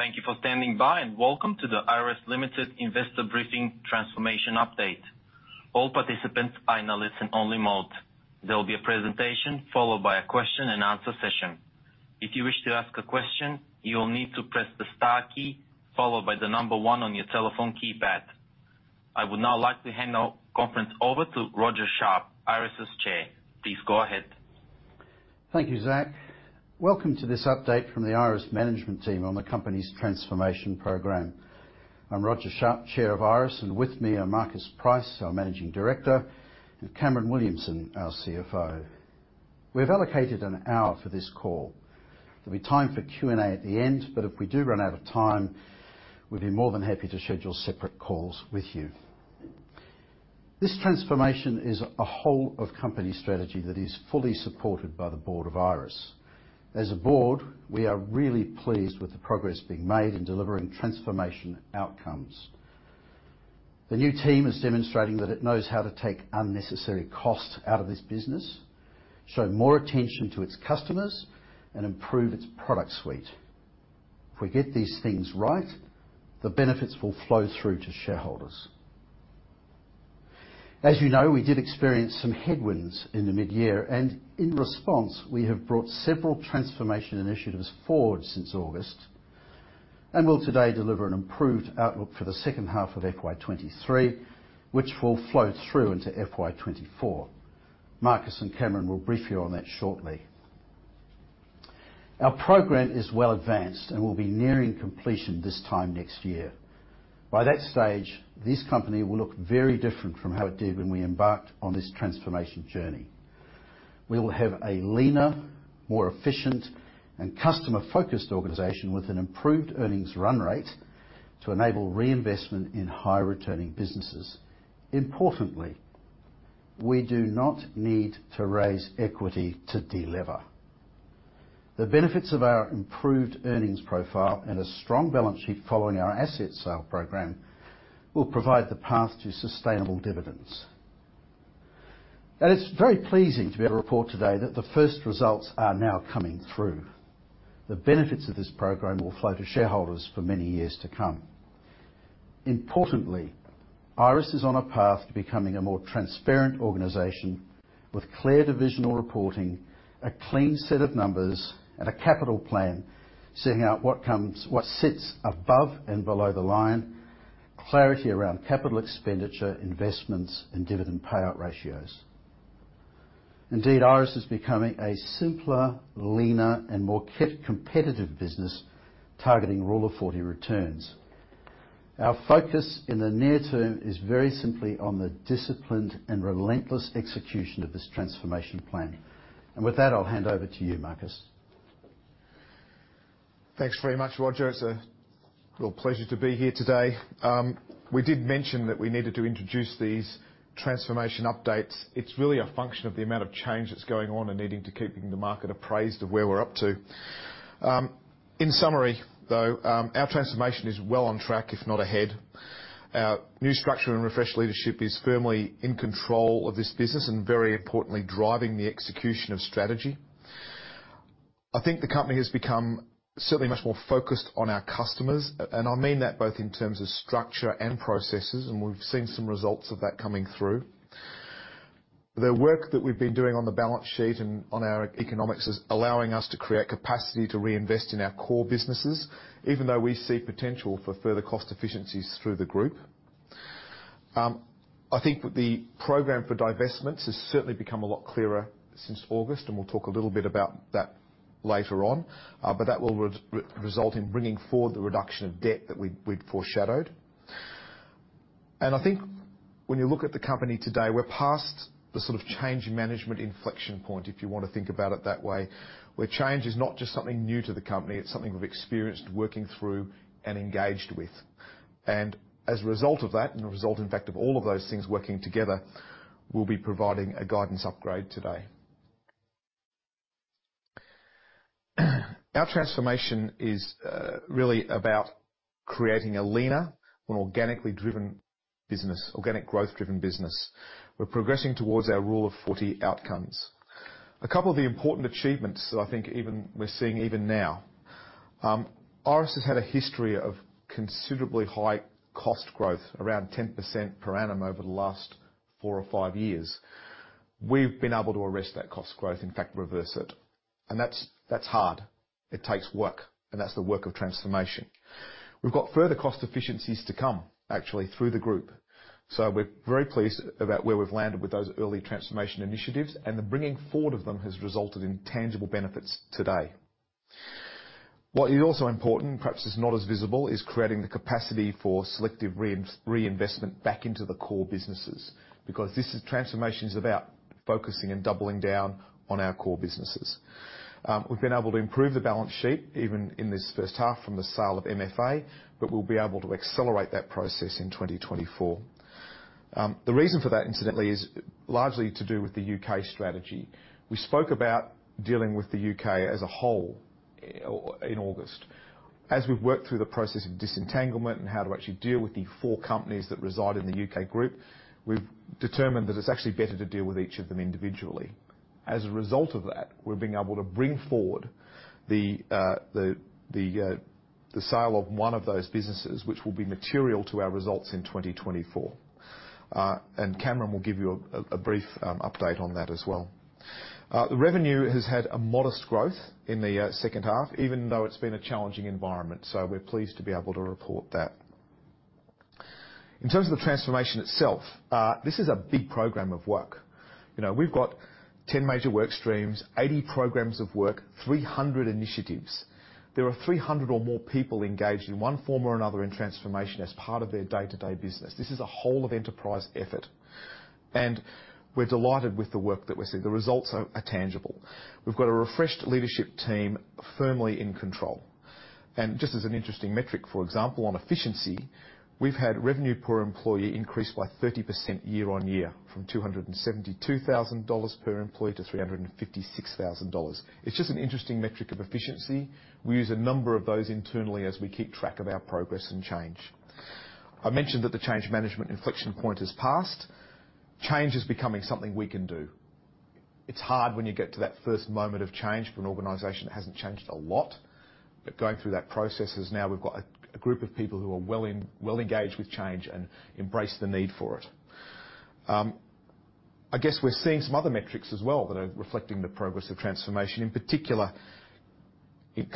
Thank you for standing by, and welcome to the Iress Limited Investor Briefing Transformation Update. All participants are in a listen-only mode. There will be a presentation, followed by a question-and-answer session. If you wish to ask a question, you will need to press the star key, followed by the number one on your telephone keypad. I would now like to hand our conference over to Roger Sharp, Iress's Chair. Please go ahead. Thank you, Zach. Welcome to this update from the Iress management team on the company's transformation program. I'm Roger Sharp, Chair of Iress, and with me are Marcus Price, our Managing Director, and Cameron Williamson, our CFO. We've allocated an hour for this call. There'll be time for Q&A at the end, but if we do run out of time, we'd be more than happy to schedule separate calls with you. This transformation is a whole-of-company strategy that is fully supported by the board of Iress. As a board, we are really pleased with the progress being made in delivering transformation outcomes. The new team is demonstrating that it knows how to take unnecessary costs out of this business, show more attention to its customers, and improve its product suite. If we get these things right, the benefits will flow through to shareholders. As you know, we did experience some headwinds in the midyear, and in response, we have brought several transformation initiatives forward since August, and will today deliver an improved outlook for the second half of FY 2023, which will flow through into FY 2024. Marcus and Cameron will brief you on that shortly. Our program is well advanced and will be nearing completion this time next year. By that stage, this company will look very different from how it did when we embarked on this transformation journey. We will have a leaner, more efficient, and customer-focused organization with an improved earnings run rate to enable reinvestment in high-returning businesses. Importantly, we do not need to raise equity to delever. The benefits of our improved earnings profile and a strong balance sheet following our asset sale program will provide the path to sustainable dividends. And it's very pleasing to be able to report today that the first results are now coming through. The benefits of this program will flow to shareholders for many years to come. Importantly, Iress is on a path to becoming a more transparent organization with clear divisional reporting, a clean set of numbers, and a capital plan, setting out what sits above and below the line, clarity around capital expenditure, investments, and dividend payout ratios. Indeed, Iress is becoming a simpler, leaner, and more competitive business, targeting Rule of Forty returns. Our focus in the near term is very simply on the disciplined and relentless execution of this transformation plan. And with that, I'll hand over to you, Marcus. Thanks very much, Roger. It's a real pleasure to be here today. We did mention that we needed to introduce these transformation updates. It's really a function of the amount of change that's going on and needing to keeping the market appraised of where we're up to. In summary, though, our transformation is well on track, if not ahead. Our new structure and refreshed leadership is firmly in control of this business and, very importantly, driving the execution of strategy. I think the company has become certainly much more focused on our customers, and I mean that both in terms of structure and processes, and we've seen some results of that coming through. The work that we've been doing on the balance sheet and on our economics is allowing us to create capacity to reinvest in our core businesses, even though we see potential for further cost efficiencies through the group. I think that the program for divestments has certainly become a lot clearer since August, and we'll talk a little bit about that later on. But that will result in bringing forward the reduction of debt that we, we'd foreshadowed. I think when you look at the company today, we're past the sort of change in management inflection point, if you want to think about it that way, where change is not just something new to the company, it's something we've experienced working through and engaged with. And as a result of that, and a result, in fact, of all of those things working together, we'll be providing a guidance upgrade today. Our transformation is really about creating a leaner and organically driven business, organic, growth-driven business. We're progressing towards our Rule of Forty outcomes. A couple of the important achievements that I think we're seeing even now. Iress has had a history of considerably high cost growth, around 10% per annum over the last four or five years. We've been able to arrest that cost growth, in fact, reverse it. And that's, that's hard. It takes work, and that's the work of transformation. We've got further cost efficiencies to come, actually, through the group. So we're very pleased about where we've landed with those early transformation initiatives, and the bringing forward of them has resulted in tangible benefits today. What is also important, perhaps it's not as visible, is creating the capacity for selective reinvestment back into the core businesses, because this is transformation is about focusing and doubling down on our core businesses. We've been able to improve the balance sheet, even in this first half, from the sale of MFA, but we'll be able to accelerate that process in 2024. The reason for that, incidentally, is largely to do with the U.K. strategy. We spoke about dealing with the U.K. as a whole... in August. As we've worked through the process of disentanglement and how to actually deal with the four companies that reside in the U.K. group, we've determined that it's actually better to deal with each of them individually. As a result of that, we're being able to bring forward the sale of one of those businesses, which will be material to our results in 2024. And Cameron will give you a brief update on that as well. The revenue has had a modest growth in the second half, even though it's been a challenging environment, so we're pleased to be able to report that. In terms of the transformation itself, this is a big program of work. You know, we've got 10 major work streams, 80 programs of work, 300 initiatives. There are 300 or more people engaged in one form or another in transformation as part of their day-to-day business. This is a whole of enterprise effort, and we're delighted with the work that we're seeing. The results are tangible. We've got a refreshed leadership team firmly in control, and just as an interesting metric, for example, on efficiency, we've had revenue per employee increase by 30% year-on-year, from 272,000 dollars per employee to 356,000 dollars. It's just an interesting metric of efficiency. We use a number of those internally as we keep track of our progress and change. I mentioned that the change management inflection point has passed. Change is becoming something we can do. It's hard when you get to that first moment of change for an organization that hasn't changed a lot, but going through that process is now we've got a group of people who are well engaged with change and embrace the need for it. I guess we're seeing some other metrics as well that are reflecting the progress of transformation. In particular,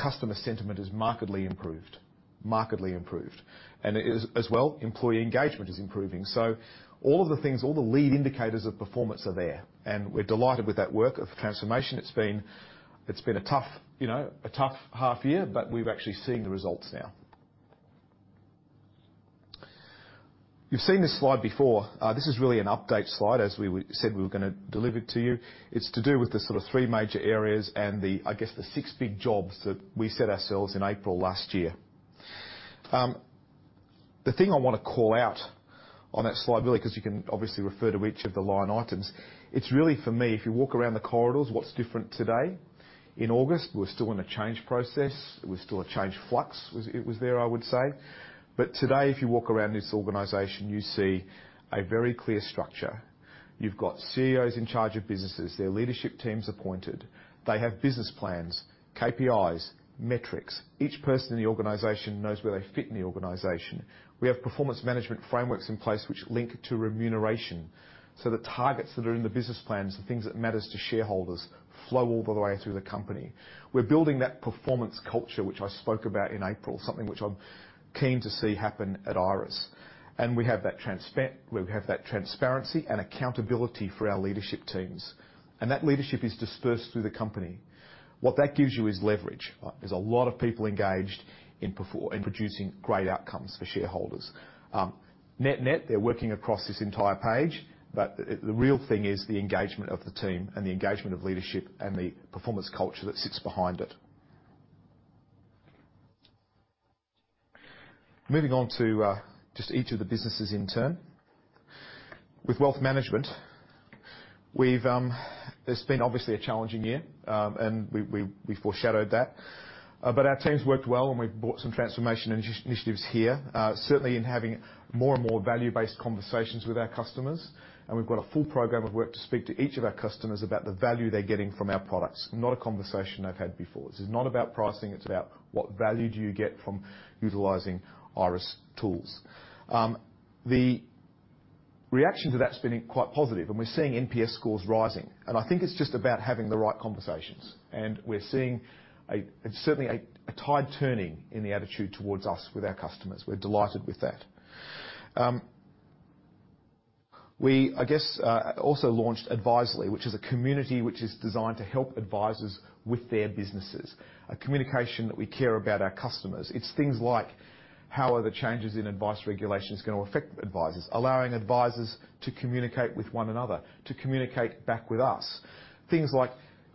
customer sentiment has markedly improved. Markedly improved. And as well, employee engagement is improving, so all of the things, all the lead indicators of performance are there, and we're delighted with that work of transformation. It's been a tough, you know, a tough half year, but we've actually seen the results now. You've seen this slide before. This is really an update slide, as we said we were gonna deliver to you. It's to do with the sort of three major areas and the, I guess, the six big jobs that we set ourselves in April last year. The thing I want to call out on that slide, really, because you can obviously refer to each of the line items, it's really, for me, if you walk around the corridors, what's different today? In August, we were still in a change process. It was still a change flux, it was there, I would say. But today, if you walk around this organization, you see a very clear structure. You've got CEOs in charge of businesses, their leadership teams appointed. They have business plans, KPIs, metrics. Each person in the organization knows where they fit in the organization. We have performance management frameworks in place which link to remuneration, so the targets that are in the business plans, the things that matters to shareholders, flow all the way through the company. We're building that performance culture, which I spoke about in April, something which I'm keen to see happen at Iress. We have that transparency and accountability for our leadership teams, and that leadership is dispersed through the company. What that gives you is leverage. There's a lot of people engaged in producing great outcomes for shareholders. Net-net, they're working across this entire page, but the real thing is the engagement of the team and the engagement of leadership and the performance culture that sits behind it. Moving on to just each of the businesses in turn. With wealth management, we've. It's been obviously a challenging year, and we've foreshadowed that. But our teams worked well, and we've brought some transformation initiatives here. Certainly, in having more and more value-based conversations with our customers, and we've got a full program of work to speak to each of our customers about the value they're getting from our products. Not a conversation they've had before. This is not about pricing, it's about what value do you get from utilizing Iress tools. The reaction to that's been quite positive, and we're seeing NPS scores rising, and I think it's just about having the right conversations, and we're seeing certainly a tide turning in the attitude towards us with our customers. We're delighted with that. We, I guess, also launched Advisely, which is a community which is designed to help advisors with their businesses, a communication that we care about our customers. It's things like: How are the changes in advice regulations going to affect advisors? Allowing advisors to communicate with one another, to communicate back with us. Things like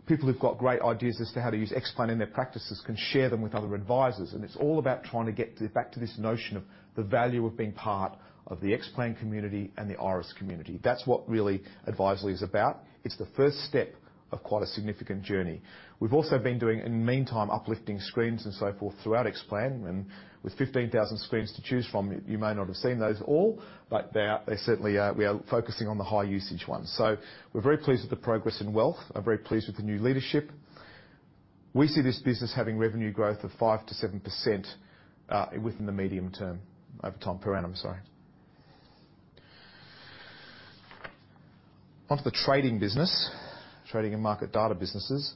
people who've got great ideas as to how to use Xplan in their practices can share them with other advisors, and it's all about trying to get back to this notion of the value of being part of the Xplan community and the Iress community. That's what really Advisely is about. It's the first step of quite a significant journey. We've also been doing, in the meantime, uplifting screens and so forth throughout Xplan, and with 15,000 screens to choose from, you may not have seen those all, but they are. They certainly are. We are focusing on the high usage ones. So we're very pleased with the progress in Wealth and very pleased with the new leadership. We see this business having revenue growth of 5%-7%, within the medium term, over time, per annum, sorry. On to the trading business, Trading and Market Data businesses.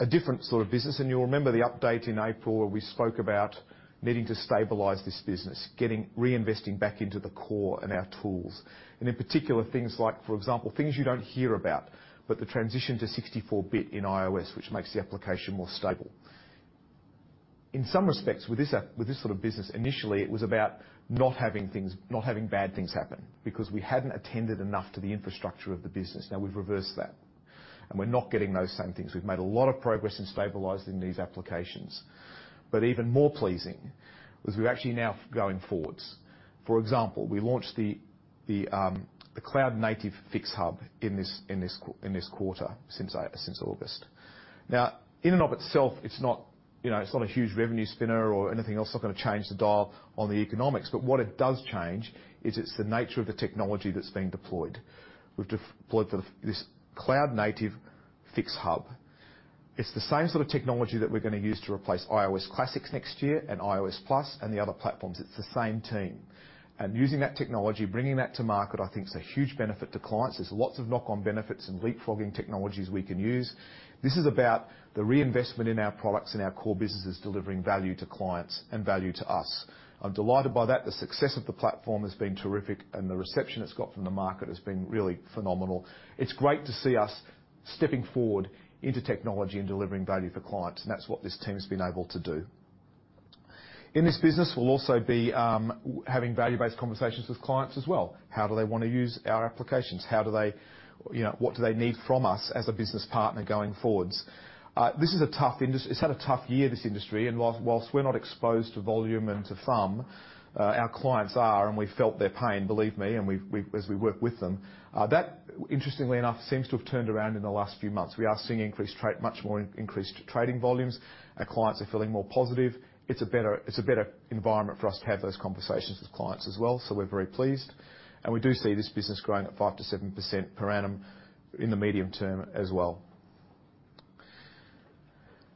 A different sort of business, and you'll remember the update in April, where we spoke about needing to stabilize this business, reinvesting back into the core and our tools. In particular, things like, for example, things you don't hear about, but the transition to 64-bit in iOS, which makes the application more stable. In some respects, with this app, with this sort of business, initially it was about not having things, not having bad things happen, because we hadn't attended enough to the infrastructure of the business. Now we've reversed that, and we're not getting those same things. We've made a lot of progress in stabilizing these applications. But even more pleasing is we're actually now going forwards. For example, we launched the cloud-native FIX Hub in this quarter, since August. Now, in and of itself, it's not, you know, it's not a huge revenue spinner or anything else. It's not gonna change the dial on the economics, but what it does change is it's the nature of the technology that's being deployed. We've deployed this cloud-native FIX Hub. It's the same sort of technology that we're gonna use to replace iOS Classic next year and iOS Plus and the other platforms. It's the same team, and using that technology, bringing that to market, I think, is a huge benefit to clients. There's lots of knock-on benefits and leapfrogging technologies we can use. This is about the reinvestment in our products and our core businesses delivering value to clients and value to us. I'm delighted by that. The success of the platform has been terrific, and the reception it's got from the market has been really phenomenal. It's great to see us stepping forward into technology and delivering value for clients, and that's what this team has been able to do. In this business, we'll also be having value-based conversations with clients as well. How do they want to use our applications? How do they, you know, what do they need from us as a business partner going forwards? This is a tough industry. It's had a tough year, this industry, and whilst we're not exposed to volume and to FUM, our clients are, and we've felt their pain, believe me, and we've as we work with them. That, interestingly enough, seems to have turned around in the last few months. We are seeing increased trade, much more increased trading volumes. Our clients are feeling more positive. It's a better environment for us to have those conversations with clients as well, so we're very pleased. And we do see this business growing at 5%-7% per annum in the medium term as well.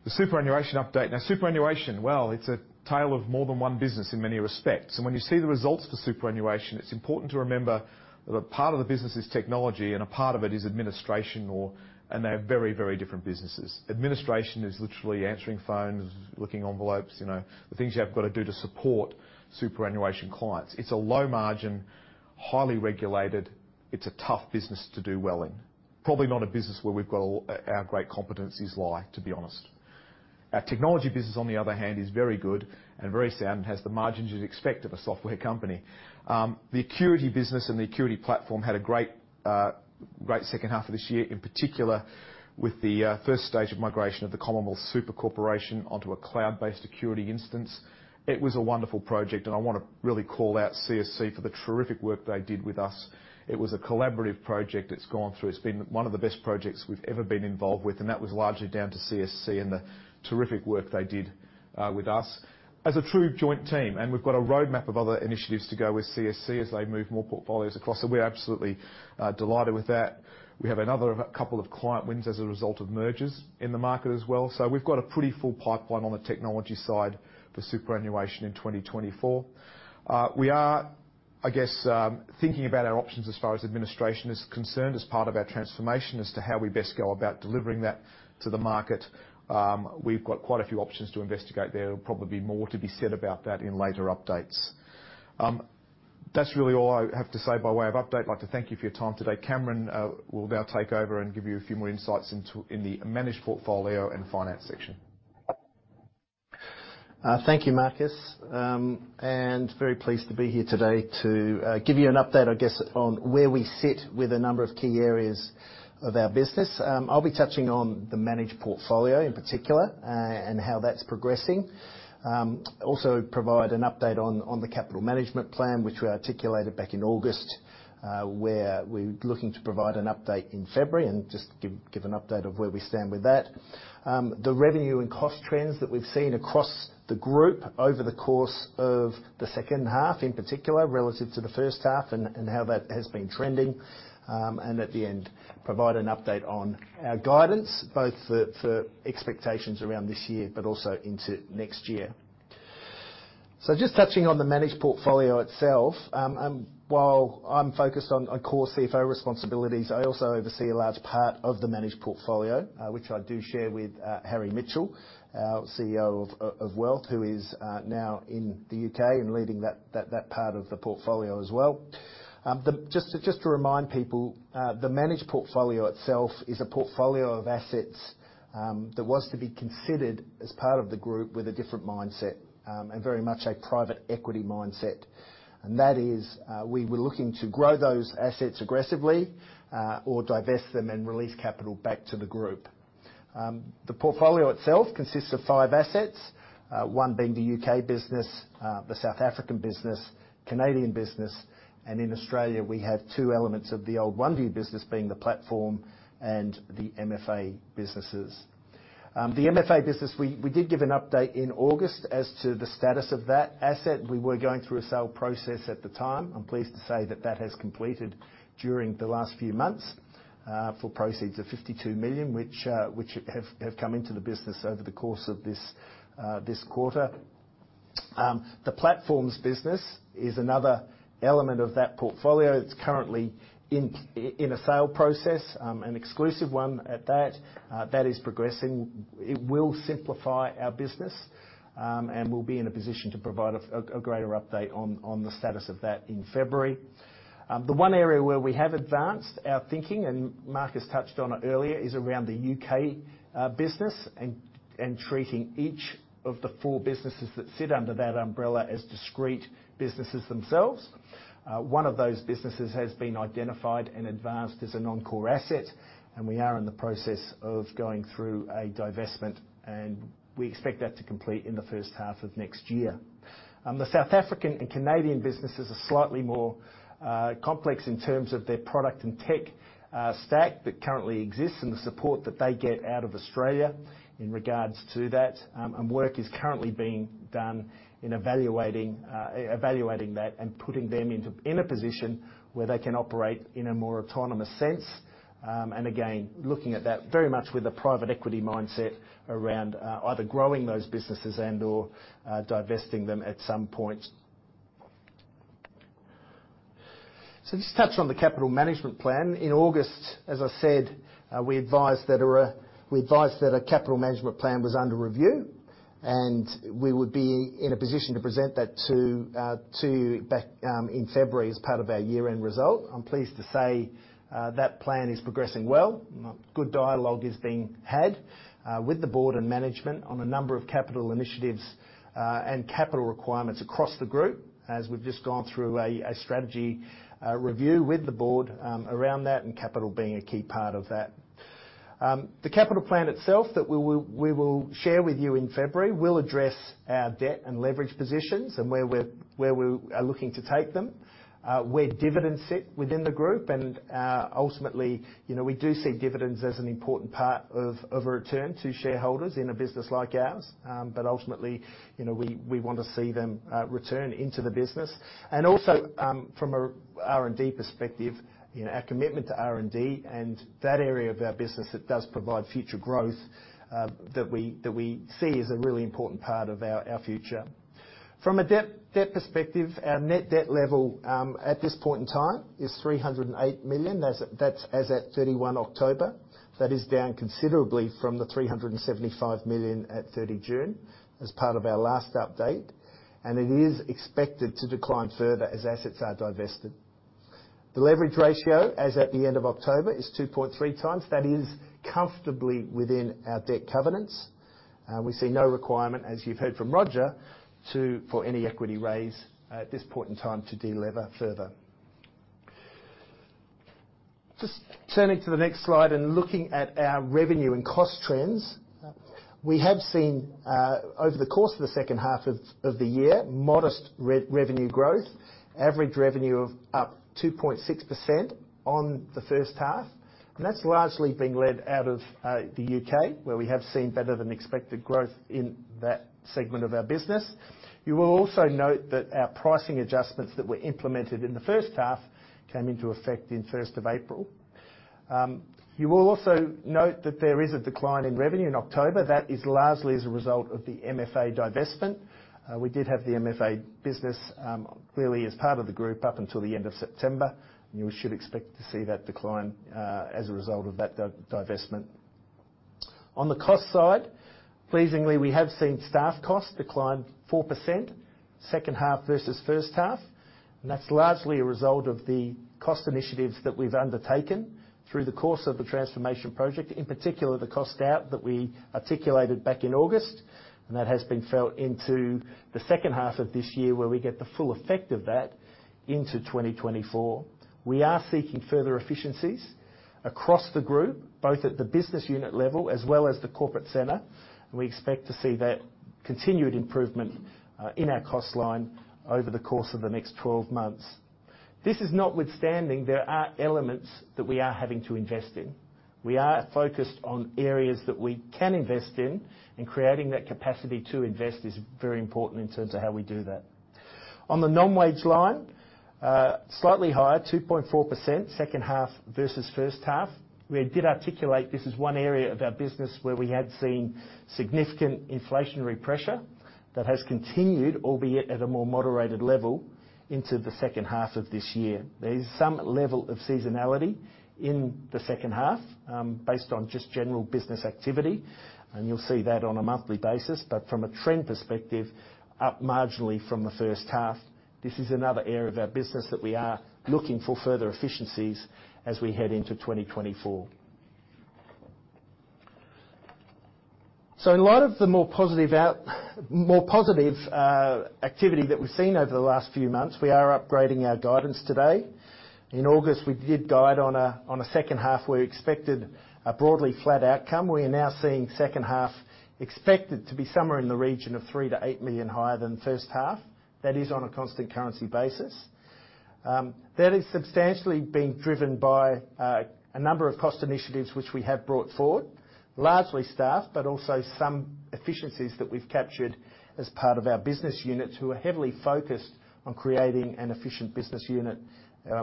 The superannuation update. Now, superannuation, well, it's a tale of more than one business in many respects. And when you see the results for superannuation, it's important to remember that a part of the business is technology, and a part of it is administration and they're very, very different businesses. Administration is literally answering phones, looking at envelopes, you know, the things you have got to do to support superannuation clients. It's a low margin, highly regulated. It's a tough business to do well in. Probably not a business where we've got all our great competencies lie, to be honest. Our technology business, on the other hand, is very good and very sound, and has the margins you'd expect of a software company. The Acurity business and the Acurity platform had a great second half of this year, in particular with the first stage of migration of the Commonwealth Super Corporation onto a cloud-based Acurity instance. It was a wonderful project, and I want to really call out CSC for the terrific work they did with us. It was a collaborative project that's gone through. It's been one of the best projects we've ever been involved with, and that was largely down to CSC and the terrific work they did with us as a true joint team. And we've got a roadmap of other initiatives to go with CSC as they move more portfolios across, so we're absolutely delighted with that. We have another couple of client wins as a result of mergers in the market as well. So we've got a pretty full pipeline on the technology side for superannuation in 2024. We are, I guess, thinking about our options as far as administration is concerned, as part of our transformation as to how we best go about delivering that to the market. We've got quite a few options to investigate there, and probably more to be said about that in later updates. That's really all I have to say by way of update. I'd like to thank you for your time today. Cameron will now take over and give you a few more insights into the managed portfolio and finance section. Thank you, Marcus. Very pleased to be here today to give you an update, I guess, on where we sit with a number of key areas of our business. I'll be touching on the managed portfolio in particular, and how that's progressing. Also provide an update on the capital management plan, which we articulated back in August, where we're looking to provide an update in February, and just give an update of where we stand with that. The revenue and cost trends that we've seen across the group over the course of the second half, in particular, relative to the first half and how that has been trending. At the end, provide an update on our guidance, both for expectations around this year, but also into next year. So just touching on the managed portfolio itself, and while I'm focused on core CFO responsibilities, I also oversee a large part of the managed portfolio, which I do share with Harry Mitchell, our CEO of Wealth, who is now in the U.K. and leading that part of the portfolio as well. Just to remind people, the managed portfolio itself is a portfolio of assets that was to be considered as part of the group with a different mindset, and very much a private equity mindset. And that is, we were looking to grow those assets aggressively, or divest them and release capital back to the group. The portfolio itself consists of five assets, one being the U.K. business, the South African business, Canadian business, and in Australia, we have two elements of the old OneVue business, being the platform and the MFA businesses. The MFA business, we did give an update in August as to the status of that asset. We were going through a sale process at the time. I'm pleased to say that that has completed during the last few months, for proceeds of 52 million, which have come into the business over the course of this quarter. The platforms business is another element of that portfolio. It's currently in a sale process, an exclusive one at that. That is progressing. It will simplify our business, and we'll be in a position to provide a greater update on the status of that in February. The one area where we have advanced our thinking, and Marcus touched on it earlier, is around the U.K. business and treating each of the four businesses that sit under that umbrella as discrete businesses themselves. One of those businesses has been identified and advanced as a non-core asset, and we are in the process of going through a divestment, and we expect that to complete in the first half of next year. The South African and Canadian businesses are slightly more complex in terms of their product and tech stack that currently exists, and the support that they get out of Australia in regards to that. And work is currently being done in evaluating that and putting them into a position where they can operate in a more autonomous sense. And again, looking at that very much with a private equity mindset around either growing those businesses and/or divesting them at some point. So just touch on the capital management plan. In August, as I said, we advised that a capital management plan was under review, and we would be in a position to present that to the board in February as part of our year-end result. I'm pleased to say that plan is progressing well. Good dialogue is being had with the board and management on a number of capital initiatives and capital requirements across the group, as we've just gone through a strategy review with the board around that, and capital being a key part of that. The capital plan itself that we will share with you in February will address our debt and leverage positions, and where we're looking to take them. Where dividends sit within the group, and ultimately, you know, we do see dividends as an important part of a return to shareholders in a business like ours. But ultimately, you know, we want to see them return into the business. Also, from a R&D perspective, you know, our commitment to R&D and that area of our business it does provide future growth, that we see as a really important part of our future. From a debt perspective, our net debt level at this point in time is 308 million. That's as at 31 October. That is down considerably from the 375 million at 30 June, as part of our last update, and it is expected to decline further as assets are divested. The leverage ratio, as at the end of October, is 2.3 times. That is comfortably within our debt covenants, and we see no requirement, as you've heard from Roger, for any equity raise at this point in time to de-lever further. Just turning to the next slide and looking at our revenue and cost trends. We have seen over the course of the second half of the year, modest revenue growth. Average revenue up 2.6% on the first half, and that's largely been led out of the U.K., where we have seen better than expected growth in that segment of our business. You will also note that our pricing adjustments that were implemented in the first half came into effect in first of April. You will also note that there is a decline in revenue in October. That is largely as a result of the MFA divestment. We did have the MFA business clearly as part of the group, up until the end of September. You should expect to see that decline as a result of that divestment. On the cost side, pleasingly, we have seen staff costs decline 4% second half versus first half, and that's largely a result of the cost initiatives that we've undertaken through the course of the transformation project, in particular, the cost out that we articulated back in August. And that has been felt into the second half of this year, where we get the full effect of that into 2024. We are seeking further efficiencies across the group, both at the business unit level as well as the corporate center, and we expect to see that continued improvement in our cost line over the course of the next twelve months. This is notwithstanding, there are elements that we are having to invest in. We are focused on areas that we can invest in, and creating that capacity to invest is very important in terms of how we do that. On the non-wage line, slightly higher, 2.4% second half versus first half. We did articulate this is one area of our business where we had seen significant inflationary pressure that has continued, albeit at a more moderated level, into the second half of this year. There is some level of seasonality in the second half, based on just general business activity, and you'll see that on a monthly basis. But from a trend perspective, up marginally from the first half. This is another area of our business that we are looking for further efficiencies as we head into 2024. In light of the more positive activity that we've seen over the last few months, we are upgrading our guidance today. In August, we did guide on a second half, we expected a broadly flat outcome. We are now seeing second half expected to be somewhere in the region of 3 million-8 million higher than first half. That is on a constant currency basis. That is substantially being driven by a number of cost initiatives which we have brought forward. Largely staff, but also some efficiencies that we've captured as part of our business units, who are heavily focused on creating an efficient business unit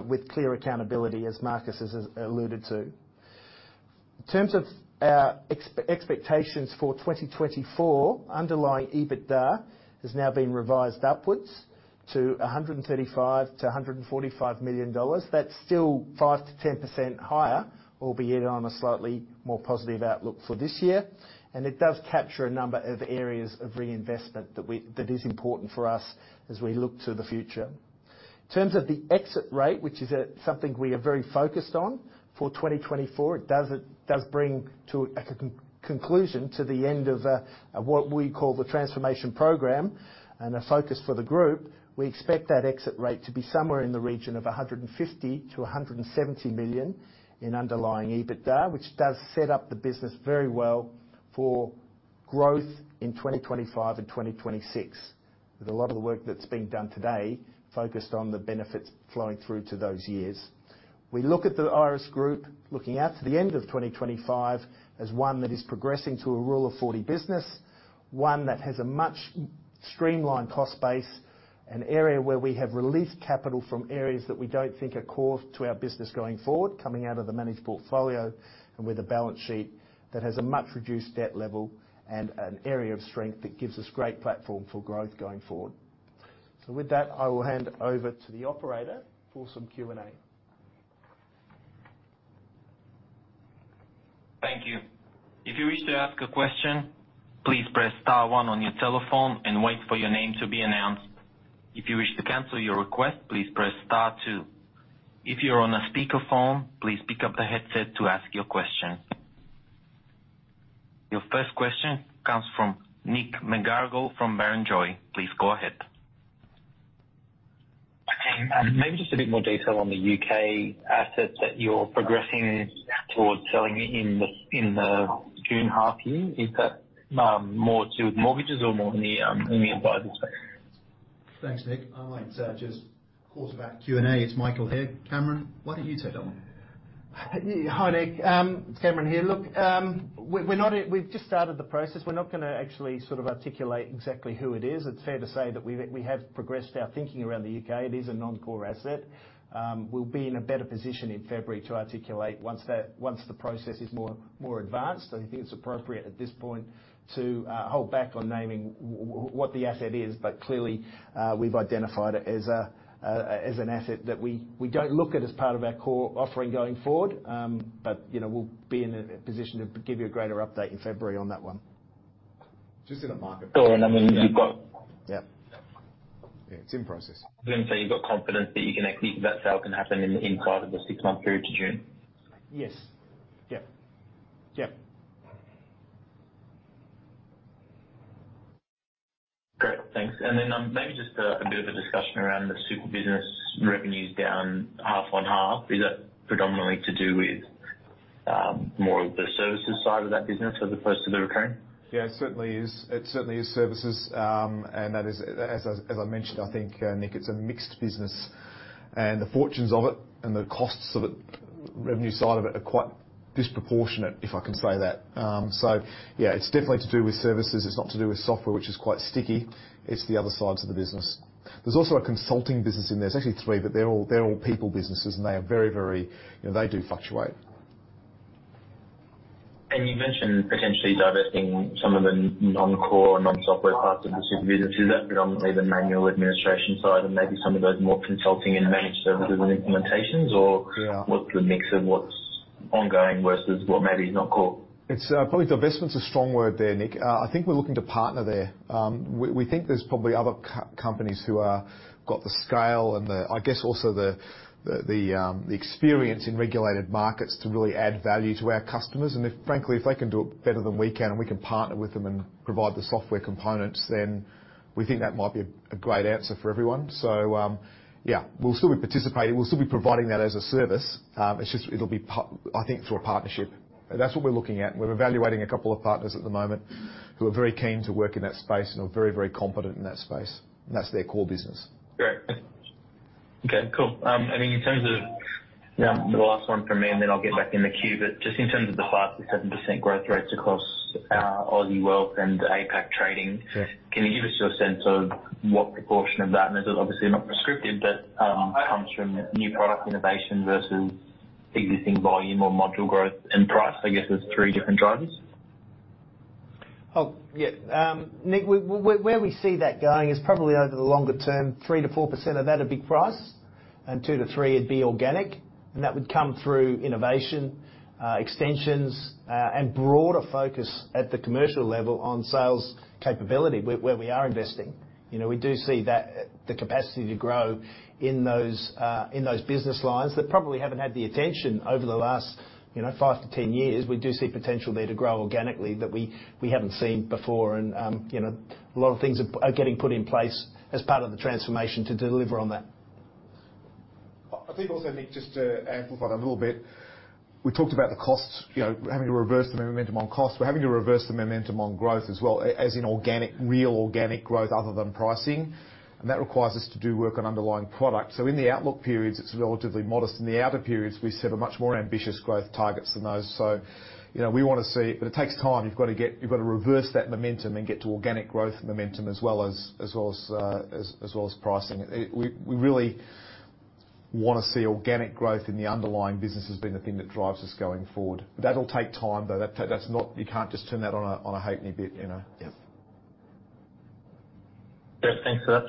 with clear accountability, as Marcus has alluded to. In terms of our expectations for 2024, underlying EBITDA has now been revised upwards to 135 million-145 million dollars. That's still 5%-10% higher, albeit on a slightly more positive outlook for this year, and it does capture a number of areas of reinvestment that is important for us as we look to the future. In terms of the exit rate, which is something we are very focused on for 2024, it does bring to a conclusion, to the end of what we call the transformation program and a focus for the group. We expect that exit rate to be somewhere in the region of 150 million-170 million in underlying EBITDA, which does set up the business very well for-... growth in 2025 and 2026, with a lot of the work that's being done today focused on the benefits flowing through to those years. We look at the Iress Group, looking out to the end of 2025, as one that is progressing to a Rule of Forty business, one that has a much streamlined cost base, an area where we have released capital from areas that we don't think are core to our business going forward, coming out of the managed portfolio, and with a balance sheet that has a much reduced debt level and an area of strength that gives us great platform for growth going forward. So with that, I will hand over to the operator for some Q&A. Thank you. If you wish to ask a question, please press star one on your telephone and wait for your name to be announced. If you wish to cancel your request, please press star two. If you're on a speakerphone, please pick up the headset to ask your question. Your first question comes from Nick McGarrigle from Barrenjoey. Please go ahead. Hi, team. Maybe just a bit more detail on the U.K. assets that you're progressing towards selling in the June half year. Is that more to do with mortgages or more in the advising space? Thanks, Nick. I might just quarterback Q&A. It's Marcus here. Cameron, why don't you take that one? Hi, Nick. Cameron here. Look, we're, we're not at-- We've just started the process. We're not gonna actually sort of articulate exactly who it is. It's fair to say that we, we have progressed our thinking around the U.K. It is a non-core asset. We'll be in a better position in February to articulate once that, once the process is more, more advanced. I think it's appropriate at this point to hold back on naming what the asset is, but clearly, we've identified it as a, a, as an asset that we, we don't look at as part of our core offering going forward. But, you know, we'll be in a position to give you a greater update in February on that one. Just in the market. Go ahead. I mean, you've got- Yeah. Yeah, it's in process. So you've got confidence that you can actually, that sale can happen in, inside of the six-month period to June? Yes. Yeah. Yeah. Great. Thanks. And then, maybe just a bit of a discussion around the super business revenues down 50% half-on-half. Is that predominantly to do with more of the services side of that business as opposed to the recurring? Yeah, it certainly is. It certainly is services. And that is, as I, as I mentioned, I think, Nick, it's a mixed business, and the fortunes of it and the costs of it, revenue side of it, are quite disproportionate, if I can say that. So yeah, it's definitely to do with services. It's not to do with software, which is quite sticky. It's the other sides of the business. There's also a consulting business in there. There's actually three, but they're all, they're all people businesses, and they are very, very... You know, they do fluctuate. And you mentioned potentially divesting some of the non-core and non-software parts of the super business. Is that predominantly the manual administration side and maybe some of those more consulting and managed services and implementations? Or- Yeah. What's the mix of what's ongoing versus what maybe is not core? It's probably divestment's a strong word there, Nick. I think we're looking to partner there. We think there's probably other companies who have got the scale and I guess also the experience in regulated markets to really add value to our customers. And if, frankly, if they can do it better than we can, and we can partner with them and provide the software components, then we think that might be a great answer for everyone. So, yeah, we'll still be participating. We'll still be providing that as a service. It's just, it'll be, I think, through a partnership. That's what we're looking at. We're evaluating a couple of partners at the moment who are very keen to work in that space and are very, very competent in that space. And that's their core business. Great. Okay, cool. I mean, in terms of- Yeah. the last one from me, and then I'll get back in the queue. But just in terms of the 5%-7% growth rates across Aussie Wealth and APAC trading- Sure. Can you give us your sense of what proportion of that, and this is obviously not prescriptive, but comes from new product innovation versus existing volume or module growth and price, I guess, is three different drivers? Oh, yeah. Nick, where we see that going is probably over the longer term, 3%-4% of that would be price, and 2%-3% would be organic, and that would come through innovation, extensions, and broader focus at the commercial level on sales capability, where we are investing. You know, we do see that, the capacity to grow in those, in those business lines that probably haven't had the attention over the last, you know, 5-10 years. We do see potential there to grow organically that we, we haven't seen before. And, you know, a lot of things are, are getting put in place as part of the transformation to deliver on that. I think also, Nick, just to amplify that a little bit. We talked about the costs, you know, having to reverse the momentum on cost. W e're having to reverse the momentum on growth as well as in organic, real organic growth other than pricing. And that requires us to do work on underlying products. So in the outlook periods, it's relatively modest. In the outer periods, we set a much more ambitious growth targets than those. So, you know, we want to see... But it takes time. You've got to reverse that momentum and get to organic growth momentum as well as, as well as, as well as pricing it. We really want to see organic growth in the underlying business as being the thing that drives us going forward. That'll take time, though. That's not. You can't just turn that on a halfway bit, you know? Yeah. Yes, thanks for that.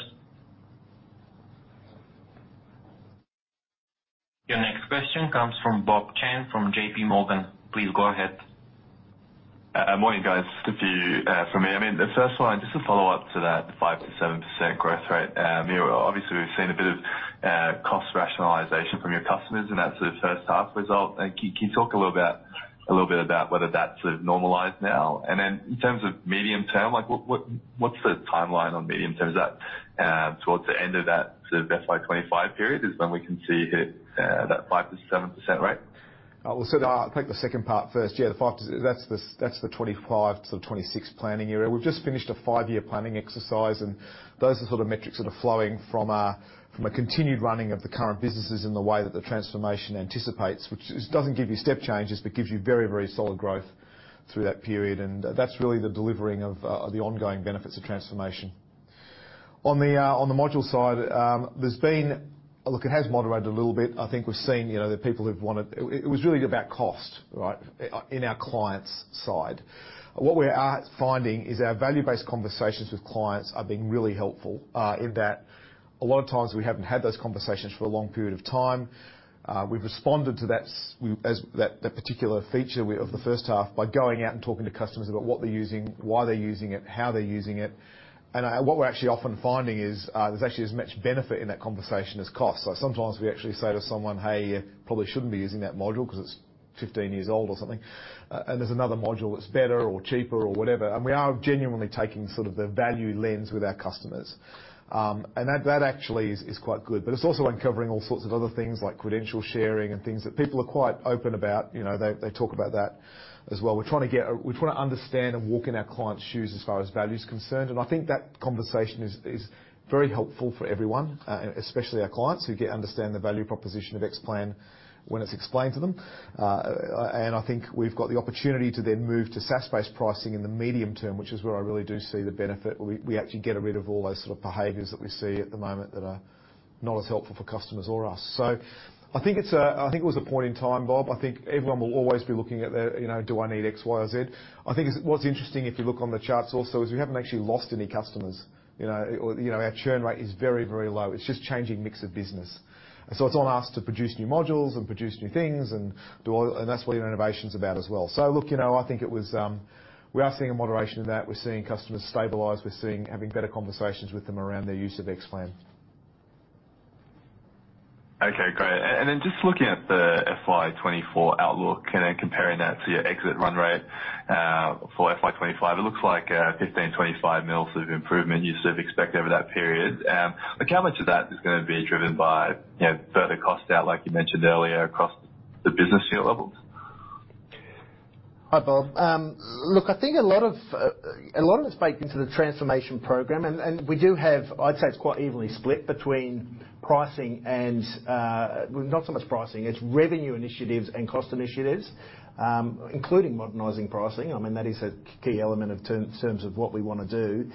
Your next question comes from Bob Chen, from JP Morgan. Please go ahead. Morning, guys. Just a few from me. I mean, the first one, just to follow up to that 5%-7% growth rate. Obviously, we've seen a bit of cost rationalization from your customers in that sort of first half result. Can you talk a little bit about whether that's sort of normalized now? And then in terms of medium term, like, what's the timeline on medium term? Is that towards the end of that sort of FY 2025 period when we can see it, that 5%-7% rate? Well, so to take the second part first, yeah, the 5 to-- that's the, that's the 25 to the 26 planning year. We've just finished a 5-year planning exercise, and those are sort of metrics that are flowing from a, from a continued running of the current businesses in the way that the transformation anticipates, which is, doesn't give you step changes, but gives you very, very solid growth through that period. And that's really the delivering of the ongoing benefits of transformation. On the module side, there's been... Look, it has moderated a little bit. I think we've seen, you know, the people who've wanted -- It, it was really about cost, right, in our clients' side. What we are finding is our value-based conversations with clients are being really helpful, in that a lot of times we haven't had those conversations for a long period of time. We've responded to that as that particular feature of the first half by going out and talking to customers about what they're using, why they're using it, how they're using it. And, what we're actually often finding is, there's actually as much benefit in that conversation as cost. So sometimes we actually say to someone, "Hey, you probably shouldn't be using that module because it's 15 years old or something, and there's another module that's better or cheaper or whatever." And we are genuinely taking sort of the value lens with our customers. And that actually is quite good. But it's also uncovering all sorts of other things, like credential sharing and things that people are quite open about. You know, they talk about that as well. We're trying to understand and walk in our clients' shoes as far as value is concerned, and I think that conversation is very helpful for everyone, especially our clients, who get to understand the value proposition of Xplan when it's explained to them. And I think we've got the opportunity to then move to SaaS-based pricing in the medium term, which is where I really do see the benefit, where we actually get rid of all those sort of behaviors that we see at the moment that are not as helpful for customers or us. So I think it's a point in time, Bob. I think everyone will always be looking at their, you know, do I need X, Y, or Z? I think it's, what's interesting, if you look on the charts also, is we haven't actually lost any customers. You know, or, you know, our churn rate is very, very low. It's just changing mix of business. And so it's on us to produce new modules and produce new things and do all... And that's what innovation's about as well. So look, you know, I think it was, we are seeing a moderation in that. We're seeing customers stabilize. We're seeing, having better conversations with them around their use of Xplan. Okay, great. And then just looking at the FY 2024 outlook and then comparing that to your exit run rate for FY 2025, it looks like 15-25 mil sort of improvement you sort of expect over that period. Like, how much of that is gonna be driven by, you know, further cost out, like you mentioned earlier, across the business unit levels? Hi, Bob. Look, I think a lot of a lot of it's baked into the transformation program, and we do have-- I'd say it's quite evenly split between pricing and, well, not so much pricing, it's revenue initiatives and cost initiatives, including modernizing pricing. I mean, that is a key element of terms of what we wanna do.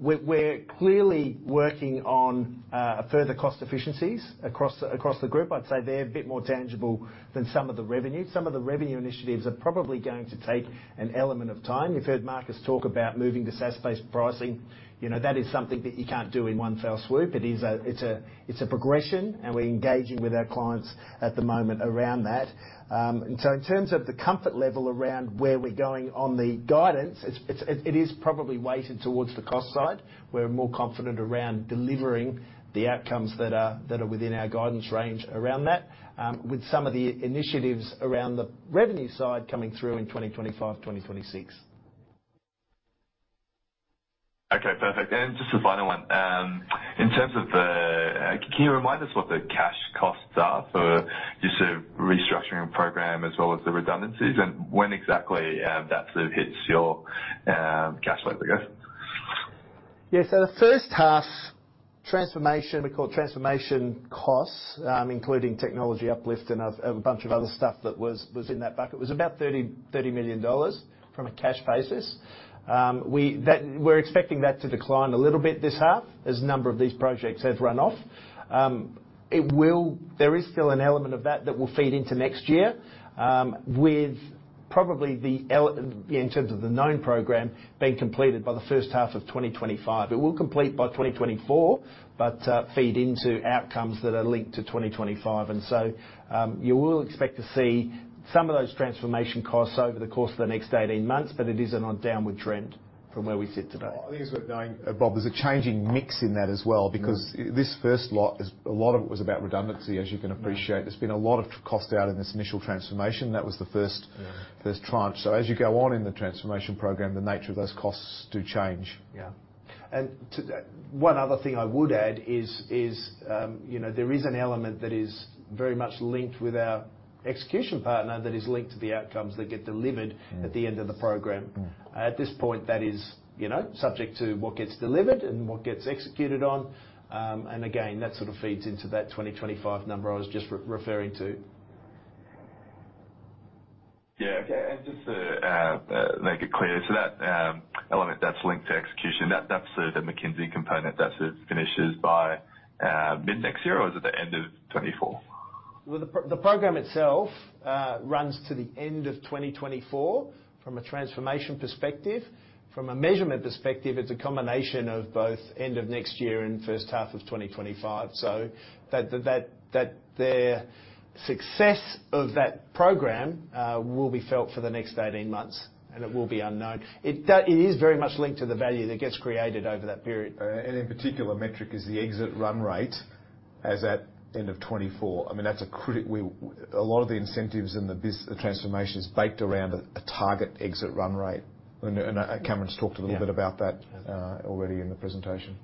We're clearly working on further cost efficiencies across the group. I'd say they're a bit more tangible than some of the revenue. Some of the revenue initiatives are probably going to take an element of time. You've heard Marcus talk about moving to SaaS-based pricing. You know, that is something that you can't do in one fell swoop. It is a progression, and we're engaging with our clients at the moment around that. And so in terms of the comfort level around where we're going on the guidance, it is probably weighted towards the cost side. We're more confident around delivering the outcomes that are within our guidance range around that, with some of the initiatives around the revenue side coming through in 2025, 2026. Okay, perfect. And just a final one. In terms of the, can you remind us what the cash costs are for just the restructuring program as well as the redundancies, and when exactly that sort of hits your cash flow, I guess? Yeah, so the first half, transformation, we call transformation costs, including technology uplift and a bunch of other stuff that was in that bucket, was about 30 million dollars from a cash basis. We're expecting that to decline a little bit this half, as a number of these projects have run off. There is still an element of that that will feed into next year, with probably in terms of the known program, being completed by the first half of 2025. It will complete by 2024, but feed into outcomes that are linked to 2025. And so, you will expect to see some of those transformation costs over the course of the next 18 months, but it is on a downward trend from where we sit today. I think it's worth knowing, Bob, there's a changing mix in that as well- Mm. Because this first lot is, a lot of it was about redundancy, as you can appreciate. Mm-hmm. There's been a lot of cost out in this initial transformation. That was the first- Yeah... first tranche. As you go on in the transformation program, the nature of those costs do change. Yeah. And to that, one other thing I would add is, you know, there is an element that is very much linked with our execution partner that is linked to the outcomes that get delivered. Mm... at the end of the program. Mm. At this point, that is, you know, subject to what gets delivered and what gets executed on. And again, that sort of feeds into that 2025 number I was just referring to. Yeah, okay. And just to make it clear, so that element that's linked to execution, that's the McKinsey component, that sort of finishes by mid-next year, or is it the end of 2024? Well, the program itself runs to the end of 2024, from a transformation perspective. From a measurement perspective, it's a combination of both end of next year and first half of 2025. So that, the success of that program, will be felt for the next 18 months, and it will be unknown. It is very much linked to the value that gets created over that period. And in particular, metric is the exit run rate as at end of 2024. I mean, that's critical. We, a lot of the incentives and the business, the transformation is baked around a target exit run rate. And Cameron's talked a little bit about that already in the presentation.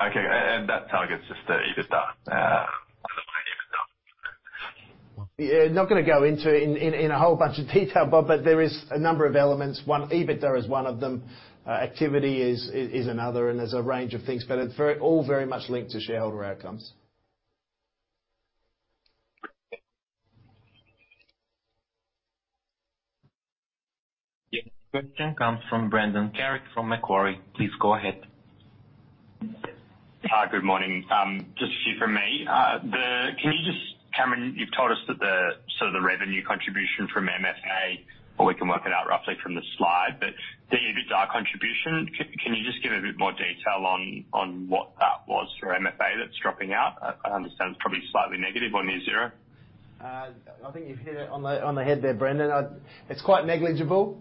Okay, and that target's just the EBITDA, the main EBITDA? Yeah, not gonna go into a whole bunch of detail, Bob, but there is a number of elements. One, EBITDA is one of them, activity is another, and there's a range of things, but it's very all very much linked to shareholder outcomes. Yes, question comes from Brendan Carrig from Macquarie. Please go ahead. Hi, good morning. Just a few from me. Can you just, Cameron, you've told us that the, sort of the revenue contribution from MFA, or we can work it out roughly from the slide, but the EBITDA contribution, can you just give a bit more detail on, on what that was for MFA that's dropping out? I understand it's probably slightly negative or near zero. I think you've hit it on the head there, Brendan. It's quite negligible.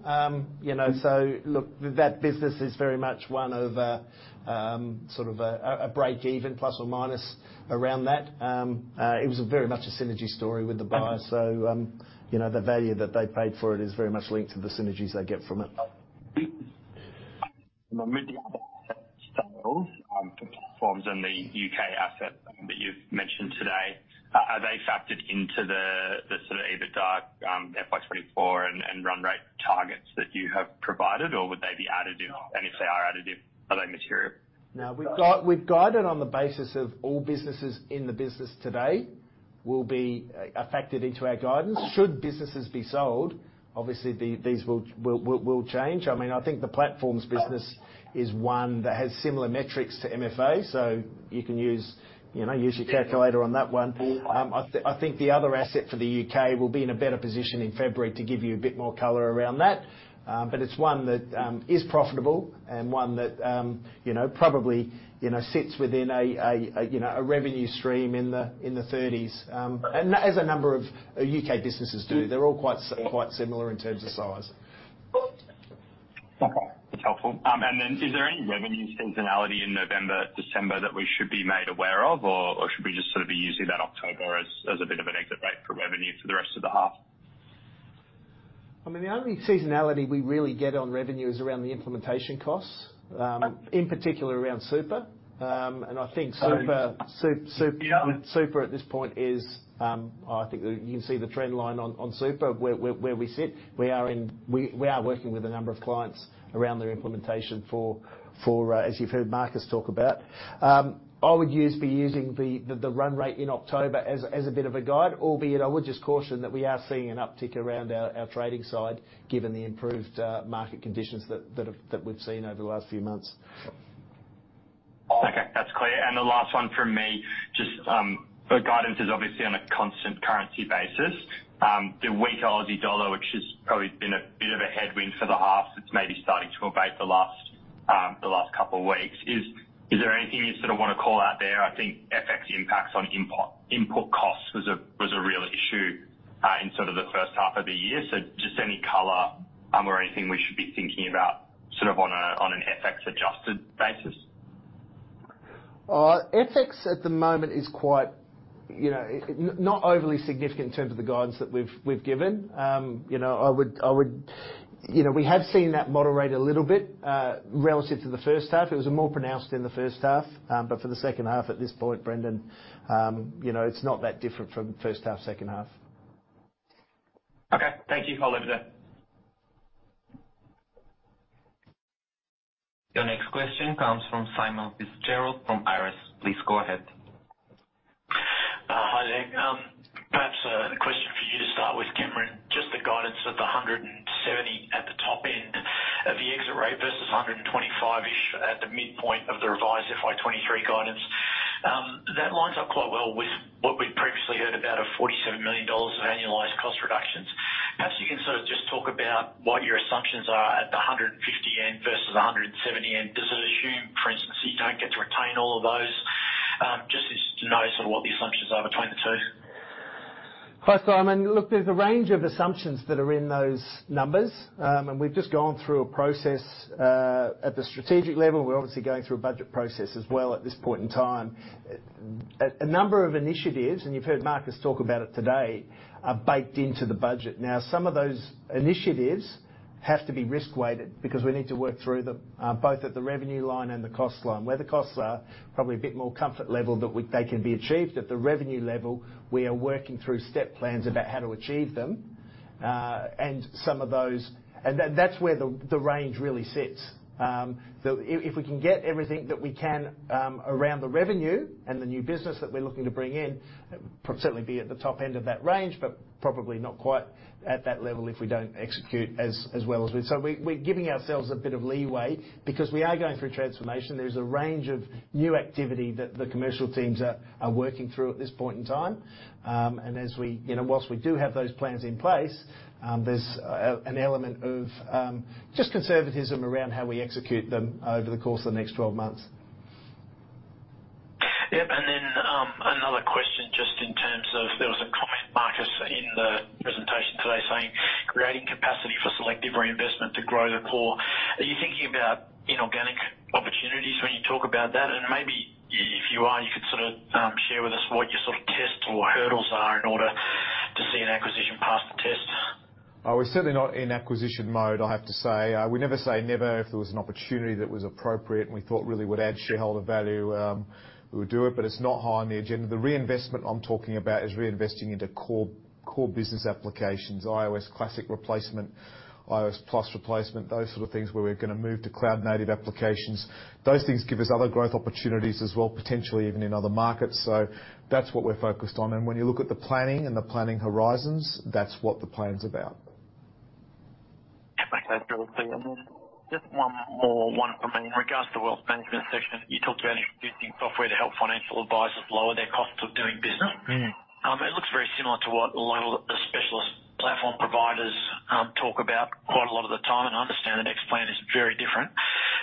You know, look, that business is very much one of sort of a break even, plus or minus around that. It was very much a synergy story with the buyer. Mm-hmm. You know, the value that they paid for it is very much linked to the synergies they get from it. With the other sales, the platforms and the U.K. asset that you've mentioned today, are they factored into the sort of EBITDA, FY 24 and run rate targets that you have provided, or would they be additive? And if they are additive, are they material? No, we've guided on the basis of all businesses in the business today will be affected into our guidance. Should businesses be sold, obviously, these will change. I mean, I think the platforms business is one that has similar metrics to MFA, so you can use, you know, use your calculator on that one. I think the other asset for the U.K. will be in a better position in February to give you a bit more color around that. But it's one that is profitable and one that you know, probably, you know, sits within a you know, a revenue stream in the thirties. And as a number of U.K. businesses do- Mm-hmm... they're all quite similar in terms of size. Okay, that's helpful. And then is there any revenue seasonality in November, December that we should be made aware of? Or, should we just sort of be using that October as a bit of an exit rate for revenue for the rest of the half? I mean, the only seasonality we really get on revenue is around the implementation costs, in particular around Super. And I think- So- Super. Yeah... Super, at this point, is, I think you can see the trend line on Super, where we sit. We are working with a number of clients around their implementation for, as you've heard Marcus talk about. I would be using the run rate in October as a bit of a guide, albeit I would just caution that we are seeing an uptick around our trading side, given the improved market conditions that we've seen over the last few months. Okay, that's clear. And the last one from me, just, the guidance is obviously on a constant currency basis. The weak Aussie dollar, which has probably been a bit of a headwind for the half, it's maybe starting to abate the last couple of weeks, is, is there anything you sort of want to call out there? I think FX impacts on import, import costs was a real issue in sort of the first half of the year. So just any color, or anything we should be thinking about, sort of on an FX adjusted basis? FX at the moment is quite, you know, not overly significant in terms of the guidance that we've given. You know, I would... You know, we have seen that moderate a little bit relative to the first half. It was more pronounced in the first half, but for the second half at this point, Brendan, you know, it's not that different from first half, second half. Okay. Thank you. I'll leave it there. Your next question comes from Simon Fitzgerald from Jefferies. Please go ahead. Hi there. Perhaps a question for you to start with, Cameron. Just the guidance of the 170 at the top end of the exit rate versus 125-ish at the midpoint of the revised FY 2023 guidance. That lines up quite well with what we'd previously heard about 47 million dollars of annualized cost reductions. Perhaps you can sort of just talk about what your assumptions are at the 150 end versus the 170 end. Does it assume, for instance, that you don't get to retain all of those? Just to know sort of what the assumptions are between the two. Hi, Simon. Look, there's a range of assumptions that are in those numbers. And we've just gone through a process at the strategic level. We're obviously going through a budget process as well at this point in time. A number of initiatives, and you've heard Marcus talk about it today, are baked into the budget. Now, some of those initiatives have to be risk-weighted because we need to work through them both at the revenue line and the cost line. Where the costs are probably a bit more comfort level, but we-- they can be achieved. At the revenue level, we are working through step plans about how to achieve them, and some of those-- And that, that's where the range really sits. So if we can get everything that we can around the revenue and the new business that we're looking to bring in, certainly be at the top end of that range, but probably not quite at that level if we don't execute as well as we... So we're giving ourselves a bit of leeway because we are going through a transformation. There's a range of new activity that the commercial teams are working through at this point in time. And as we, you know, while we do have those plans in place, there's an element of just conservatism around how we execute them over the course of the next twelve months. Yep, and in the presentation today saying, "Creating capacity for selective reinvestment to grow the core." Are you thinking about inorganic opportunities when you talk about that? And maybe if you are, you could sort of share with us what your sort of tests or hurdles are in order to see an acquisition pass the test. We're certainly not in acquisition mode, I have to say. We never say never. If there was an opportunity that was appropriate, and we thought really would add shareholder value, we would do it, but it's not high on the agenda. The reinvestment I'm talking about is reinvesting into core, core business applications, iOS Classic replacement, iOS Plus replacement. Those sort of things where we're gonna move to cloud-native applications. Those things give us other growth opportunities as well, potentially even in other markets. So that's what we're focused on. And when you look at the planning and the planning horizons, that's what the plan's about. Thanks, that's really clear. Just one more one for me. In regards to wealth management section, you talked about introducing software to help financial advisors lower their costs of doing business. Mm-hmm. It looks very similar to what a lot of the specialist platform providers talk about quite a lot of the time, and I understand that Xplan is very different.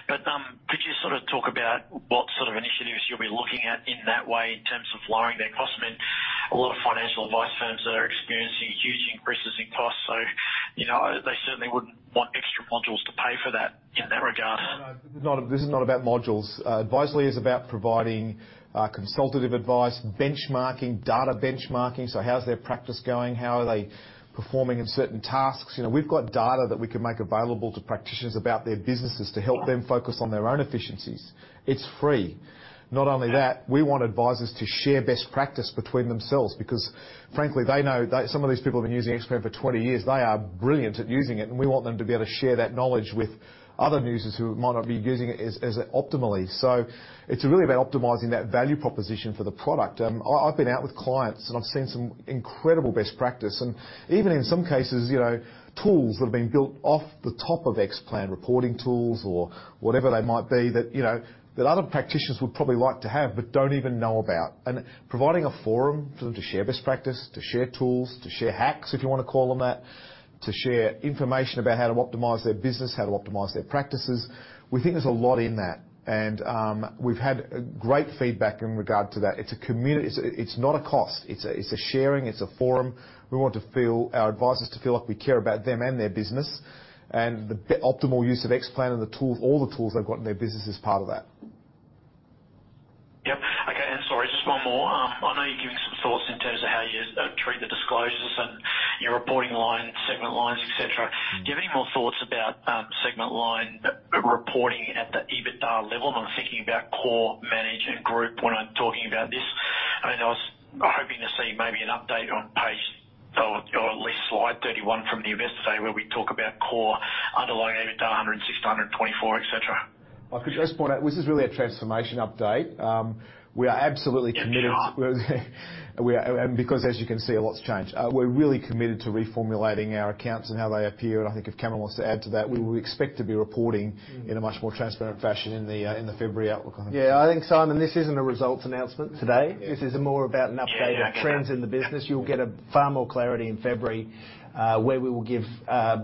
But could you sort of talk about what sort of initiatives you'll be looking at in that way in terms of lowering their costs? I mean, a lot of financial advice firms are experiencing huge increases in costs, so you know, they certainly wouldn't want extra modules to pay for that in that regard. No, no, this is not, this is not about modules. Advisely is about providing consultative advice, benchmarking, data benchmarking. So how's their practice going? How are they performing in certain tasks? You know, we've got data that we can make available to practitioners about their businesses to help them focus on their own efficiencies. It's free. Not only that, we want advisors to share best practice between themselves because frankly, they know, they-- Some of these people have been using Xplan for 20 years. They are brilliant at using it, and we want them to be able to share that knowledge with other users who might not be using it as, as optimally. So it's really about optimizing that value proposition for the product. I've been out with clients, and I've seen some incredible best practice, and even in some cases, you know, tools that have been built off the top of Xplan, reporting tools or whatever they might be, that, you know, that other practitioners would probably like to have but don't even know about. And providing a forum for them to share best practice, to share tools, to share hacks, if you want to call them that, to share information about how to optimize their business, how to optimize their practices, we think there's a lot in that. And, we've had great feedback in regard to that. It's... it's not a cost. It's a, it's a sharing, it's a forum. We want our advisors to feel like we care about them and their business, and the optimal use of Xplan and the tools, all the tools they've got in their business, is part of that. Yep. Okay, and sorry, just one more. I know you're giving some thoughts in terms of how you treat the disclosures and your reporting line, segment lines, et cetera. Do you have any more thoughts about segment line reporting at the EBITDA level? I'm thinking about core manage and group when I'm talking about this. I mean, I was hoping to see maybe an update on page or, or at least slide 31 from the investor day, where we talk about core underlying EBITDA 106, 124, et cetera. I could just point out, this is really a transformation update. We are absolutely committed- Yes, you are. We are. And because as you can see, a lot's changed. We're really committed to reformulating our accounts and how they appear. And I think if Cameron wants to add to that, we expect to be reporting in a much more transparent fashion in the, in the February outlook, I think. Yeah, I think, Simon, this isn't a results announcement today. Yeah. This is more about an update of trends in the business. Yeah. You'll get far more clarity in February, where we will give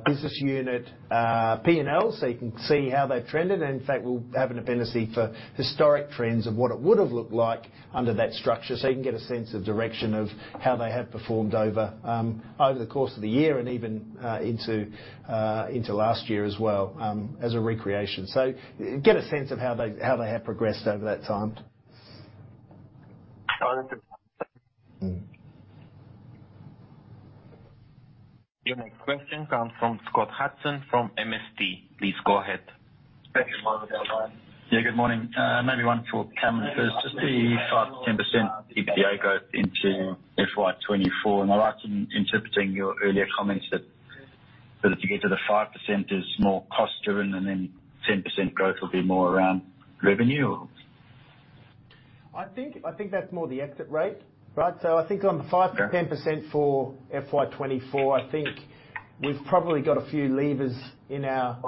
business unit PNLs, so you can see how they've trended. In fact, we'll have an appendix for historic trends of what it would've looked like under that structure. So you can get a sense of direction of how they have performed over the course of the year, and even into last year as well, as a recreation. So get a sense of how they have progressed over that time. Oh, that's good. Mm. Your next question comes from Scott Hudson from MST. Please go ahead. Thank you. Good morning. Yeah, good morning. Maybe one for Cameron first. Just the 5%-10% EBITDA growth into FY 2024, and I like in interpreting your earlier comments that, that as you get to the 5% is more cost driven, and then 10% growth will be more around revenue or? I think, I think that's more the exit rate, right? So I think on the 5 to- Okay... 10% for FY 2024, I think we've probably got a few levers in our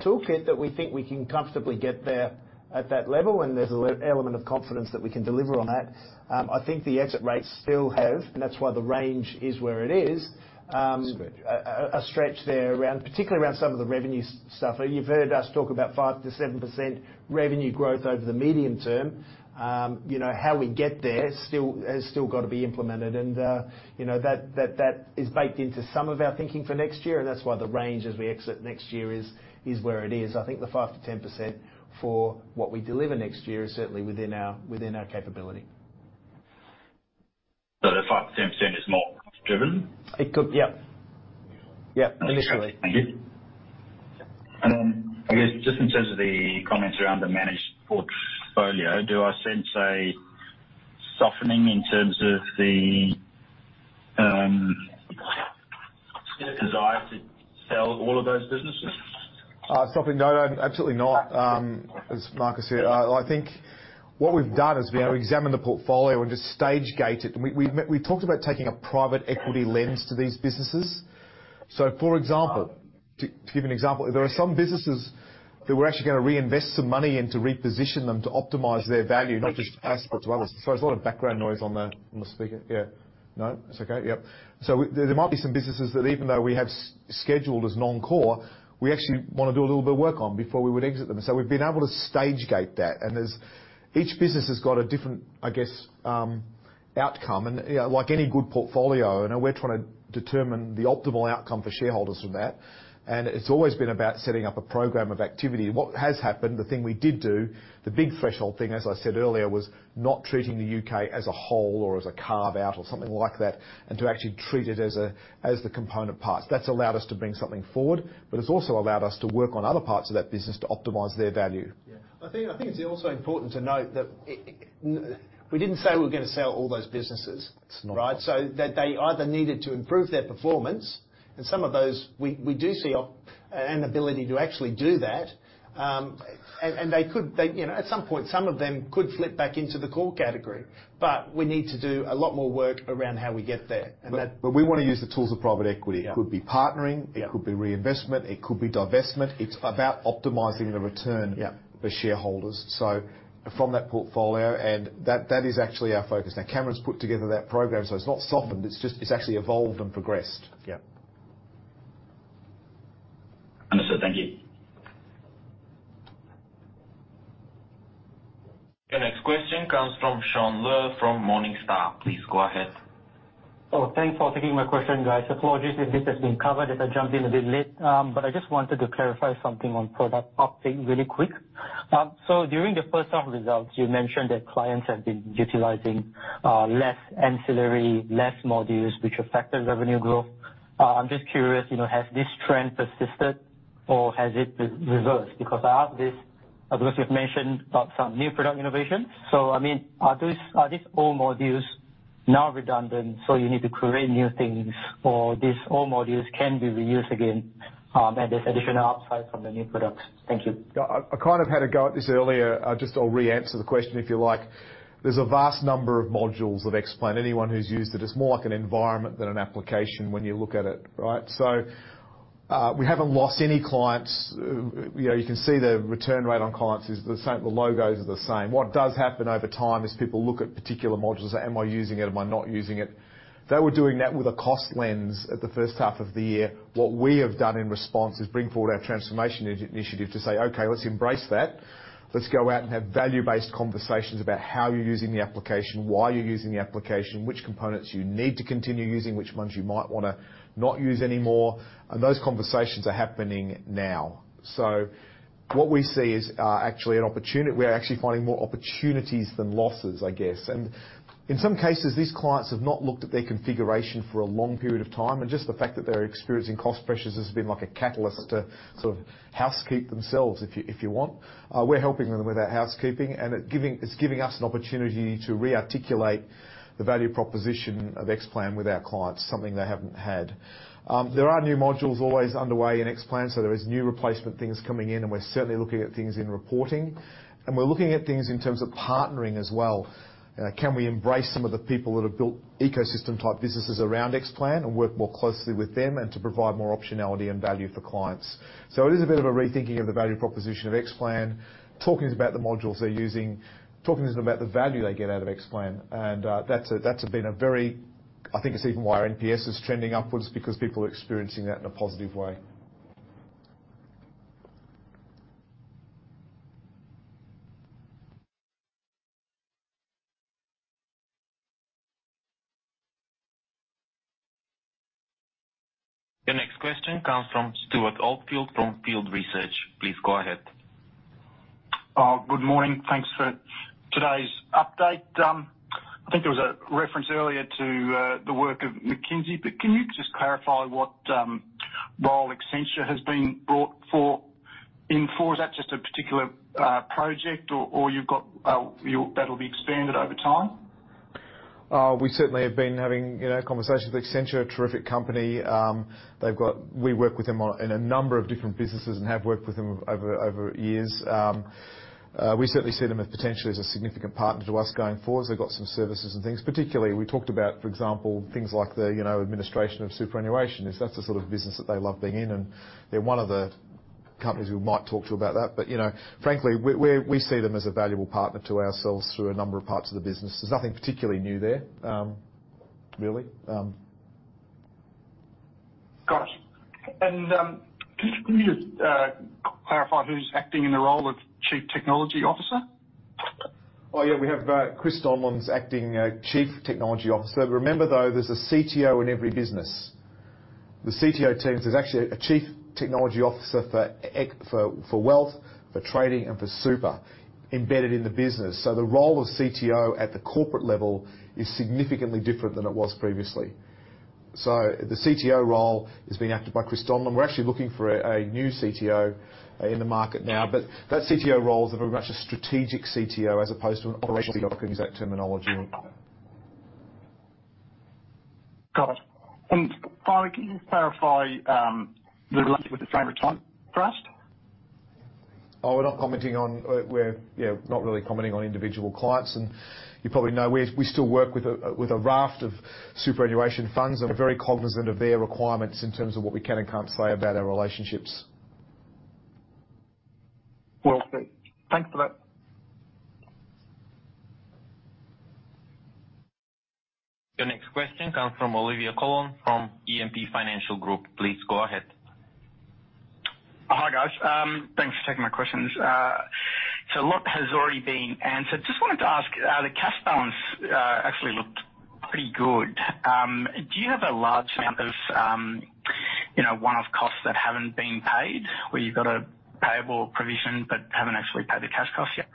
toolkit that we think we can comfortably get there at that level. And there's an element of confidence that we can deliver on that. I think the exit rates still have, and that's why the range is where it is. Spread, yeah. A stretch there around, particularly around some of the revenue stuff. You've heard us talk about 5%-7% revenue growth over the medium term. You know, how we get there still has still got to be implemented. And you know, that is baked into some of our thinking for next year, and that's why the range as we exit next year is where it is. I think the 5%-10% for what we deliver next year is certainly within our capability. The 5%-10% is more cost driven? It could, yeah. Yeah, initially. Thank you. And then, I guess, just in terms of the comments around the managed portfolio, do I sense a softening in terms of the desire to sell all of those businesses? Softening? No, no, absolutely not. As Marcus said, I think what we've done is we've examined the portfolio and just stage-gate it. And we talked about taking a private equity lens to these businesses. So, for example, to give you an example, there are some businesses that we're actually gonna reinvest some money in to reposition them to optimize their value, not just pass them to others. Sorry, there's a lot of background noise on the speaker. Yeah. No, it's okay? Yep. So there might be some businesses that even though we have scheduled as non-core, we actually want to do a little bit of work on before we would exit them. So we've been able to stage-gate that, and there's... Each business has got a different, I guess, outcome. You know, like any good portfolio, I know we're trying to determine the optimal outcome for shareholders from that, and it's always been about setting up a program of activity. What has happened, the thing we did do, the big threshold thing, as I said earlier, was not treating the U.K. as a whole or as a carve-out or something like that, and to actually treat it as the component parts. That's allowed us to bring something forward, but it's also allowed us to work on other parts of that business to optimize their value. Yeah. I think, I think it's also important to note that we didn't say we were gonna sell all those businesses. It's not. Right? So that they either needed to improve their performance, and some of those we do see an ability to actually do that. And they could, you know, at some point, some of them could flip back into the core category. But we need to do a lot more work around how we get there, and that- But we want to use the tools of private equity. Yeah. It could be partnering- Yeah. It could be reinvestment, it could be divestment. It's about optimizing the return. Yeah for shareholders. So from that portfolio, and that, that is actually our focus. Now, Cameron's put together that program, so it's not softened. It's just, it's actually evolved and progressed. Yeah. Understood. Thank you. The next question comes from Shaun Ler, from Morningstar. Please go ahead. Oh, thanks for taking my question, guys. Apologies if this has been covered, as I jumped in a bit late. But I just wanted to clarify something on product update really quick. So during the first half results, you mentioned that clients have been utilizing less ancillary, less modules, which affected revenue growth. I'm just curious, you know, has this trend persisted or has it reversed? Because I ask this, because you've mentioned about some new product innovation. So, I mean, are these, are these old modules now redundant, so you need to create new things? Or these old modules can be reused again, and there's additional upside from the new products. Thank you. I, I kind of had a go at this earlier. Just I'll re-answer the question, if you like. There's a vast number of modules of Xplan. Anyone who's used it, it's more like an environment than an application when you look at it, right? So, we haven't lost any clients. You know, you can see the return rate on clients is the same, the logos are the same. What does happen over time is people look at particular modules: Am I using it? Am I not using it? They were doing that with a cost lens at the first half of the year. What we have done in response is bring forward our transformation initiative to say, "Okay, let's embrace that. Let's go out and have value-based conversations about how you're using the application, why you're using the application, which components you need to continue using, which ones you might wanna not use anymore." And those conversations are happening now. So what we see is, actually an opportunity. We are actually finding more opportunities than losses, I guess. And in some cases, these clients have not looked at their configuration for a long period of time, and just the fact that they're experiencing cost pressures has been like a catalyst to sort of housekeep themselves, if you, if you want. We're helping them with that housekeeping, and it's giving us an opportunity to re-articulate the value proposition of XPlan with our clients, something they haven't had. There are new modules always underway in Xplan, so there is new replacement things coming in, and we're certainly looking at things in reporting. We're looking at things in terms of partnering as well. Can we embrace some of the people that have built ecosystem-type businesses around Xplan and work more closely with them to provide more optionality and value for clients? So it is a bit of a rethinking of the value proposition of Xplan, talking to them about the modules they're using, talking to them about the value they get out of Xplan. That's been a very... I think it's even why our NPS is trending upwards, because people are experiencing that in a positive way. The next question comes from Stewart Oldfield from Field Research. Please go ahead. Good morning. Thanks for today's update. I think there was a reference earlier to the work of McKinsey, but can you just clarify what role Accenture has been brought for, in for? Is that just a particular project or, or you've got, you-- that'll be expanded over time? We certainly have been having, you know, conversations with Accenture, a terrific company. They've got—we work with them on, in a number of different businesses and have worked with them over years. We certainly see them as potentially as a significant partner to us going forward. They've got some services and things. Particularly, we talked about, for example, things like the, you know, administration of superannuation. That's the sort of business that they love being in, and they're one of the companies we might talk to about that. But, you know, frankly, we see them as a valuable partner to ourselves through a number of parts of the business. There's nothing particularly new there, really. Got it. And, can you just clarify who's acting in the role of Chief Technology Officer? Oh, yeah, we have Chris Donlon is acting Chief Technology Officer. Remember, though, there's a CTO in every business. The CTO teams, there's actually a Chief Technology Officer for wealth, for trading, and for super embedded in the business. So the role of CTO at the corporate level is significantly different than it was previously. So the CTO role is being acted by Chris Donlon. We're actually looking for a new CTO in the market now, but that CTO role is of a much strategic CTO as opposed to an operational-... use that terminology. Got it. And, can you just clarify the relationship with the Framingham Trust? Oh, we're not commenting on, yeah, not really commenting on individual clients. And you probably know we still work with a raft of superannuation funds and are very cognizant of their requirements in terms of what we can and can't say about our relationships. Well, thanks for that. The next question comes from Olivier Coulon from E&P Financial Group. Please go ahead.... Hi, guys. Thanks for taking my questions. So a lot has already been answered. Just wanted to ask, the cash balance, actually looked pretty good. Do you have a large amount of, you know, one-off costs that haven't been paid, where you've got a payable provision but haven't actually paid the cash costs yet?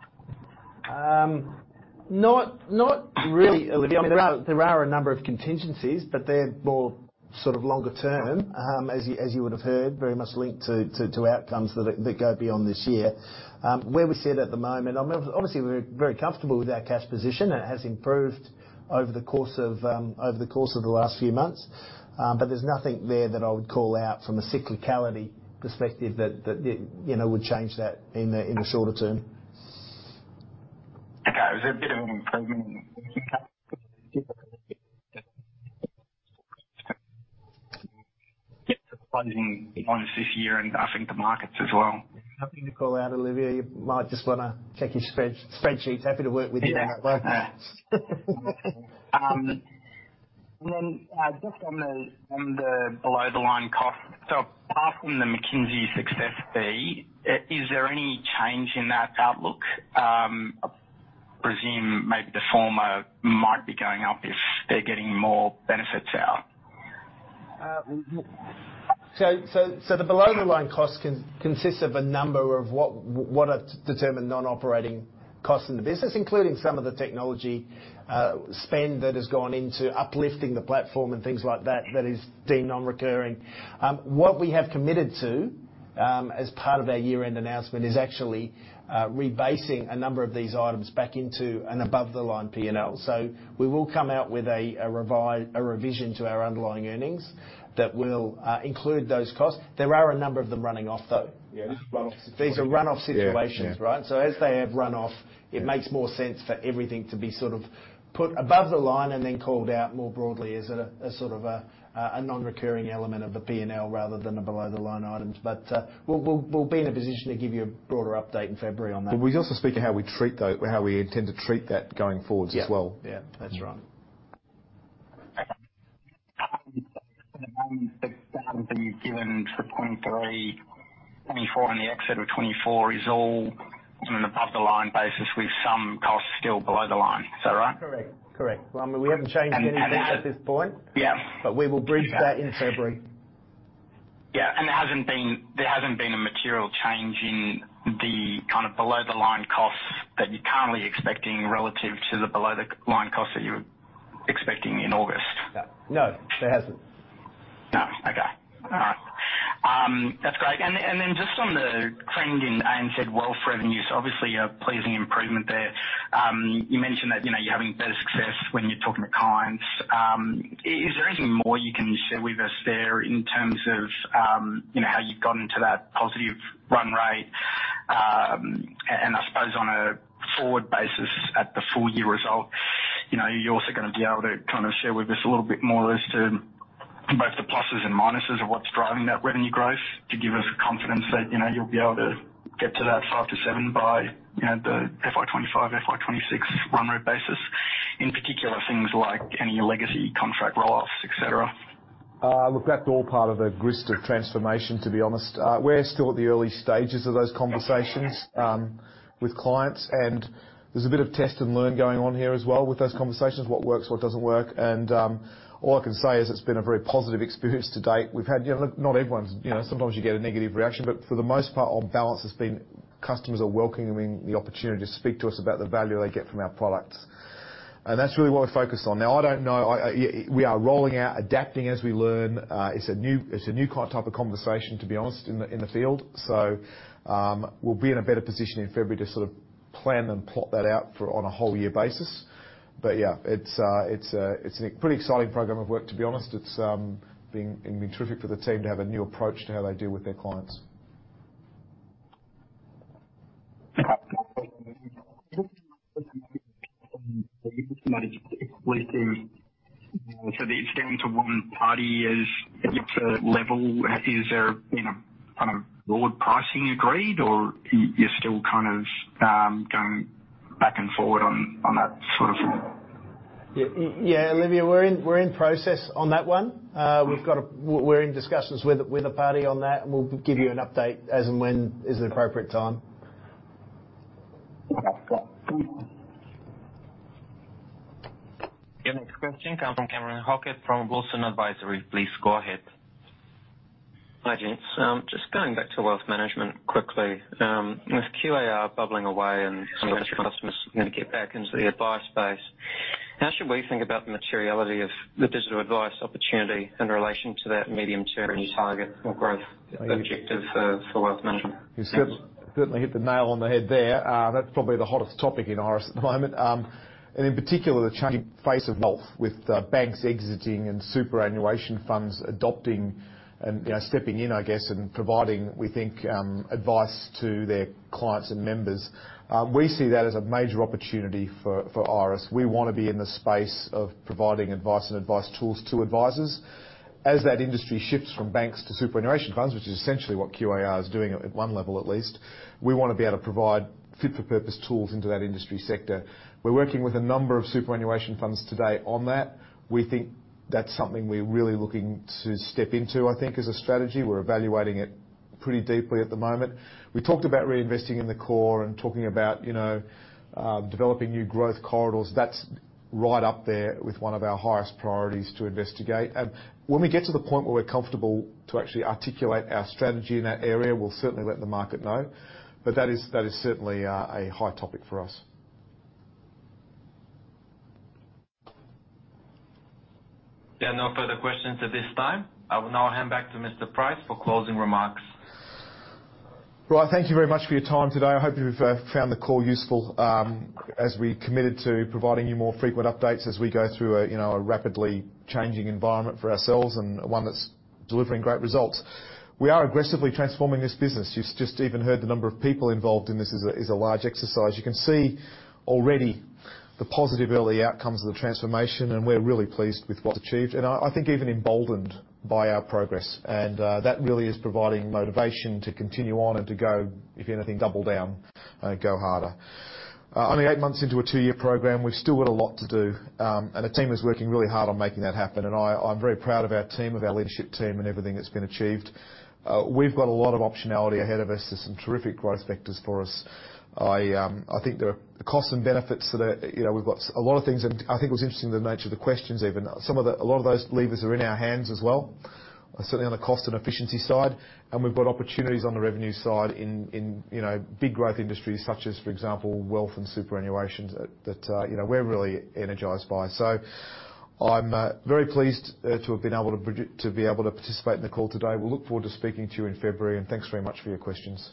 Not really, Olivia. There are a number of contingencies, but they're more sort of longer term, as you would have heard, very much linked to outcomes that go beyond this year. Where we sit at the moment, I mean, obviously, we're very comfortable with our cash position. It has improved over the course of over the course of the last few months. But there's nothing there that I would call out from a cyclicality perspective that you know would change that in the shorter term. Okay. There's a bit of an improvement in this year, and I think the markets as well. Nothing to call out, Olivia. You might just wanna check your spread, spreadsheets. Happy to work with you. And then, just on the below-the-line cost, so apart from the McKinsey success fee, is there any change in that outlook? I presume maybe the former might be going up if they're getting more benefits out. So the below-the-line cost consists of a number of what are determined non-operating costs in the business, including some of the technology spend that has gone into uplifting the platform and things like that, that is deemed non-recurring. What we have committed to, as part of our year-end announcement, is actually rebasing a number of these items back into an above-the-line P&L. So we will come out with a revision to our underlying earnings that will include those costs. There are a number of them running off, though. Yeah, run-off. These are run-off situations, right? Yeah, yeah. So as they have run off, it makes more sense for everything to be sort of put above the line and then called out more broadly as a sort of a non-recurring element of the P&L, rather than the below-the-line items. But, we'll be in a position to give you a broader update in February on that. But we also speak of how we treat those, how we intend to treat that going forwards as well. Yeah. Yeah, that's right. Okay. So you've given for 0.3, 24, and the exit of 24 is all on an above-the-line basis with some costs still below the line. Is that right? Correct. Correct. Well, I mean, we haven't changed anything at this point. Yeah. But we will bridge that in February. Yeah, and there hasn't been a material change in the kind of below-the-line costs that you're currently expecting relative to the below-the-line costs that you were expecting in August? No, there hasn't. No. Okay. All right. That's great. And then, and then just on the trend in ANZ wealth revenues, obviously a pleasing improvement there. You mentioned that, you know, you're having better success when you're talking to clients. Is there anything more you can share with us there in terms of, you know, how you've gotten to that positive run rate? And I suppose on a forward basis, at the full year result, you know, you're also gonna be able to kind of share with us a little bit more as to both the pluses and minuses of what's driving that revenue growth, to give us confidence that, you know, you'll be able to get to that 5-7 by, you know, the FY 2025, FY 2026 run rate basis, in particular, things like any legacy, contract roll-offs, et cetera. Look, that's all part of a grist of transformation, to be honest. We're still at the early stages of those conversations with clients, and there's a bit of test and learn going on here as well with those conversations, what works, what doesn't work. And all I can say is it's been a very positive experience to date. We've had, you know, not everyone's... You know, sometimes you get a negative reaction, but for the most part, on balance, it's been customers are welcoming the opportunity to speak to us about the value they get from our products. And that's really what we're focused on. Now, I don't know, I, we are rolling out, adapting as we learn. It's a new, it's a new kind of type of conversation, to be honest, in the, in the field. So, we'll be in a better position in February to sort of plan and plot that out for on a whole year basis. But yeah, it's a pretty exciting program of work, to be honest. It's been terrific for the team to have a new approach to how they deal with their clients. So the extent to one party is, at a level, is there, you know, kind of broad pricing agreed, or you, you're still kind of going back and forward on, on that sort of thing? Yeah, Olivia, we're in, we're in process on that one. We've got a... We're in discussions with, with a party on that, and we'll give you an update as and when is an appropriate time. Okay, cool. The next question comes from Cameron Halkett from Wilsons Advisory. Please go ahead. Hi, gents. Just going back to wealth management quickly. With QAR bubbling away and some of the customers going to get back into the advice space, how should we think about the materiality of the digital advice opportunity in relation to that medium-term target or growth objective for wealth management? You certainly, certainly hit the nail on the head there. That's probably the hottest topic in Iress at the moment. And in particular, the changing face of wealth, with banks exiting and superannuation funds adopting and, you know, stepping in, I guess, and providing, we think, advice to their clients and members. We see that as a major opportunity for Iress. We wanna be in the space of providing advice and advice tools to advisors. As that industry shifts from banks to superannuation funds, which is essentially what QAR is doing at one level at least, we want to be able to provide fit-for-purpose tools into that industry sector. We're working with a number of superannuation funds today on that. That's something we're really looking to step into, I think, as a strategy. We're evaluating it pretty deeply at the moment. We talked about reinvesting in the core and talking about, you know, developing new growth corridors. That's right up there with one of our highest priorities to investigate. When we get to the point where we're comfortable to actually articulate our strategy in that area, we'll certainly let the market know. But that is, that is certainly a hot topic for us. There are no further questions at this time. I will now hand back to Mr. Price for closing remarks. Right, thank you very much for your time today. I hope you've found the call useful, as we committed to providing you more frequent updates as we go through a, you know, a rapidly changing environment for ourselves and one that's delivering great results. We are aggressively transforming this business. You just even heard the number of people involved in this is a, is a large exercise. You can see already the positive early outcomes of the transformation, and we're really pleased with what's achieved, and I, I think even emboldened by our progress. And that really is providing motivation to continue on and to go, if anything, double down and go harder. Only eight months into a 2-year program, we've still got a lot to do. and the team is working really hard on making that happen, and I, I'm very proud of our team, of our leadership team, and everything that's been achieved. We've got a lot of optionality ahead of us. There's some terrific growth vectors for us. I, I think the, the costs and benefits that are... You know, we've got a lot of things, and I think it was interesting, the nature of the questions even. A lot of those levers are in our hands as well, certainly on the cost and efficiency side. And we've got opportunities on the revenue side in, in, you know, big growth industries, such as, for example, wealth and superannuation, that, that, you know, we're really energized by. I'm very pleased to be able to participate in the call today. We look forward to speaking to you in February, and thanks very much for your questions.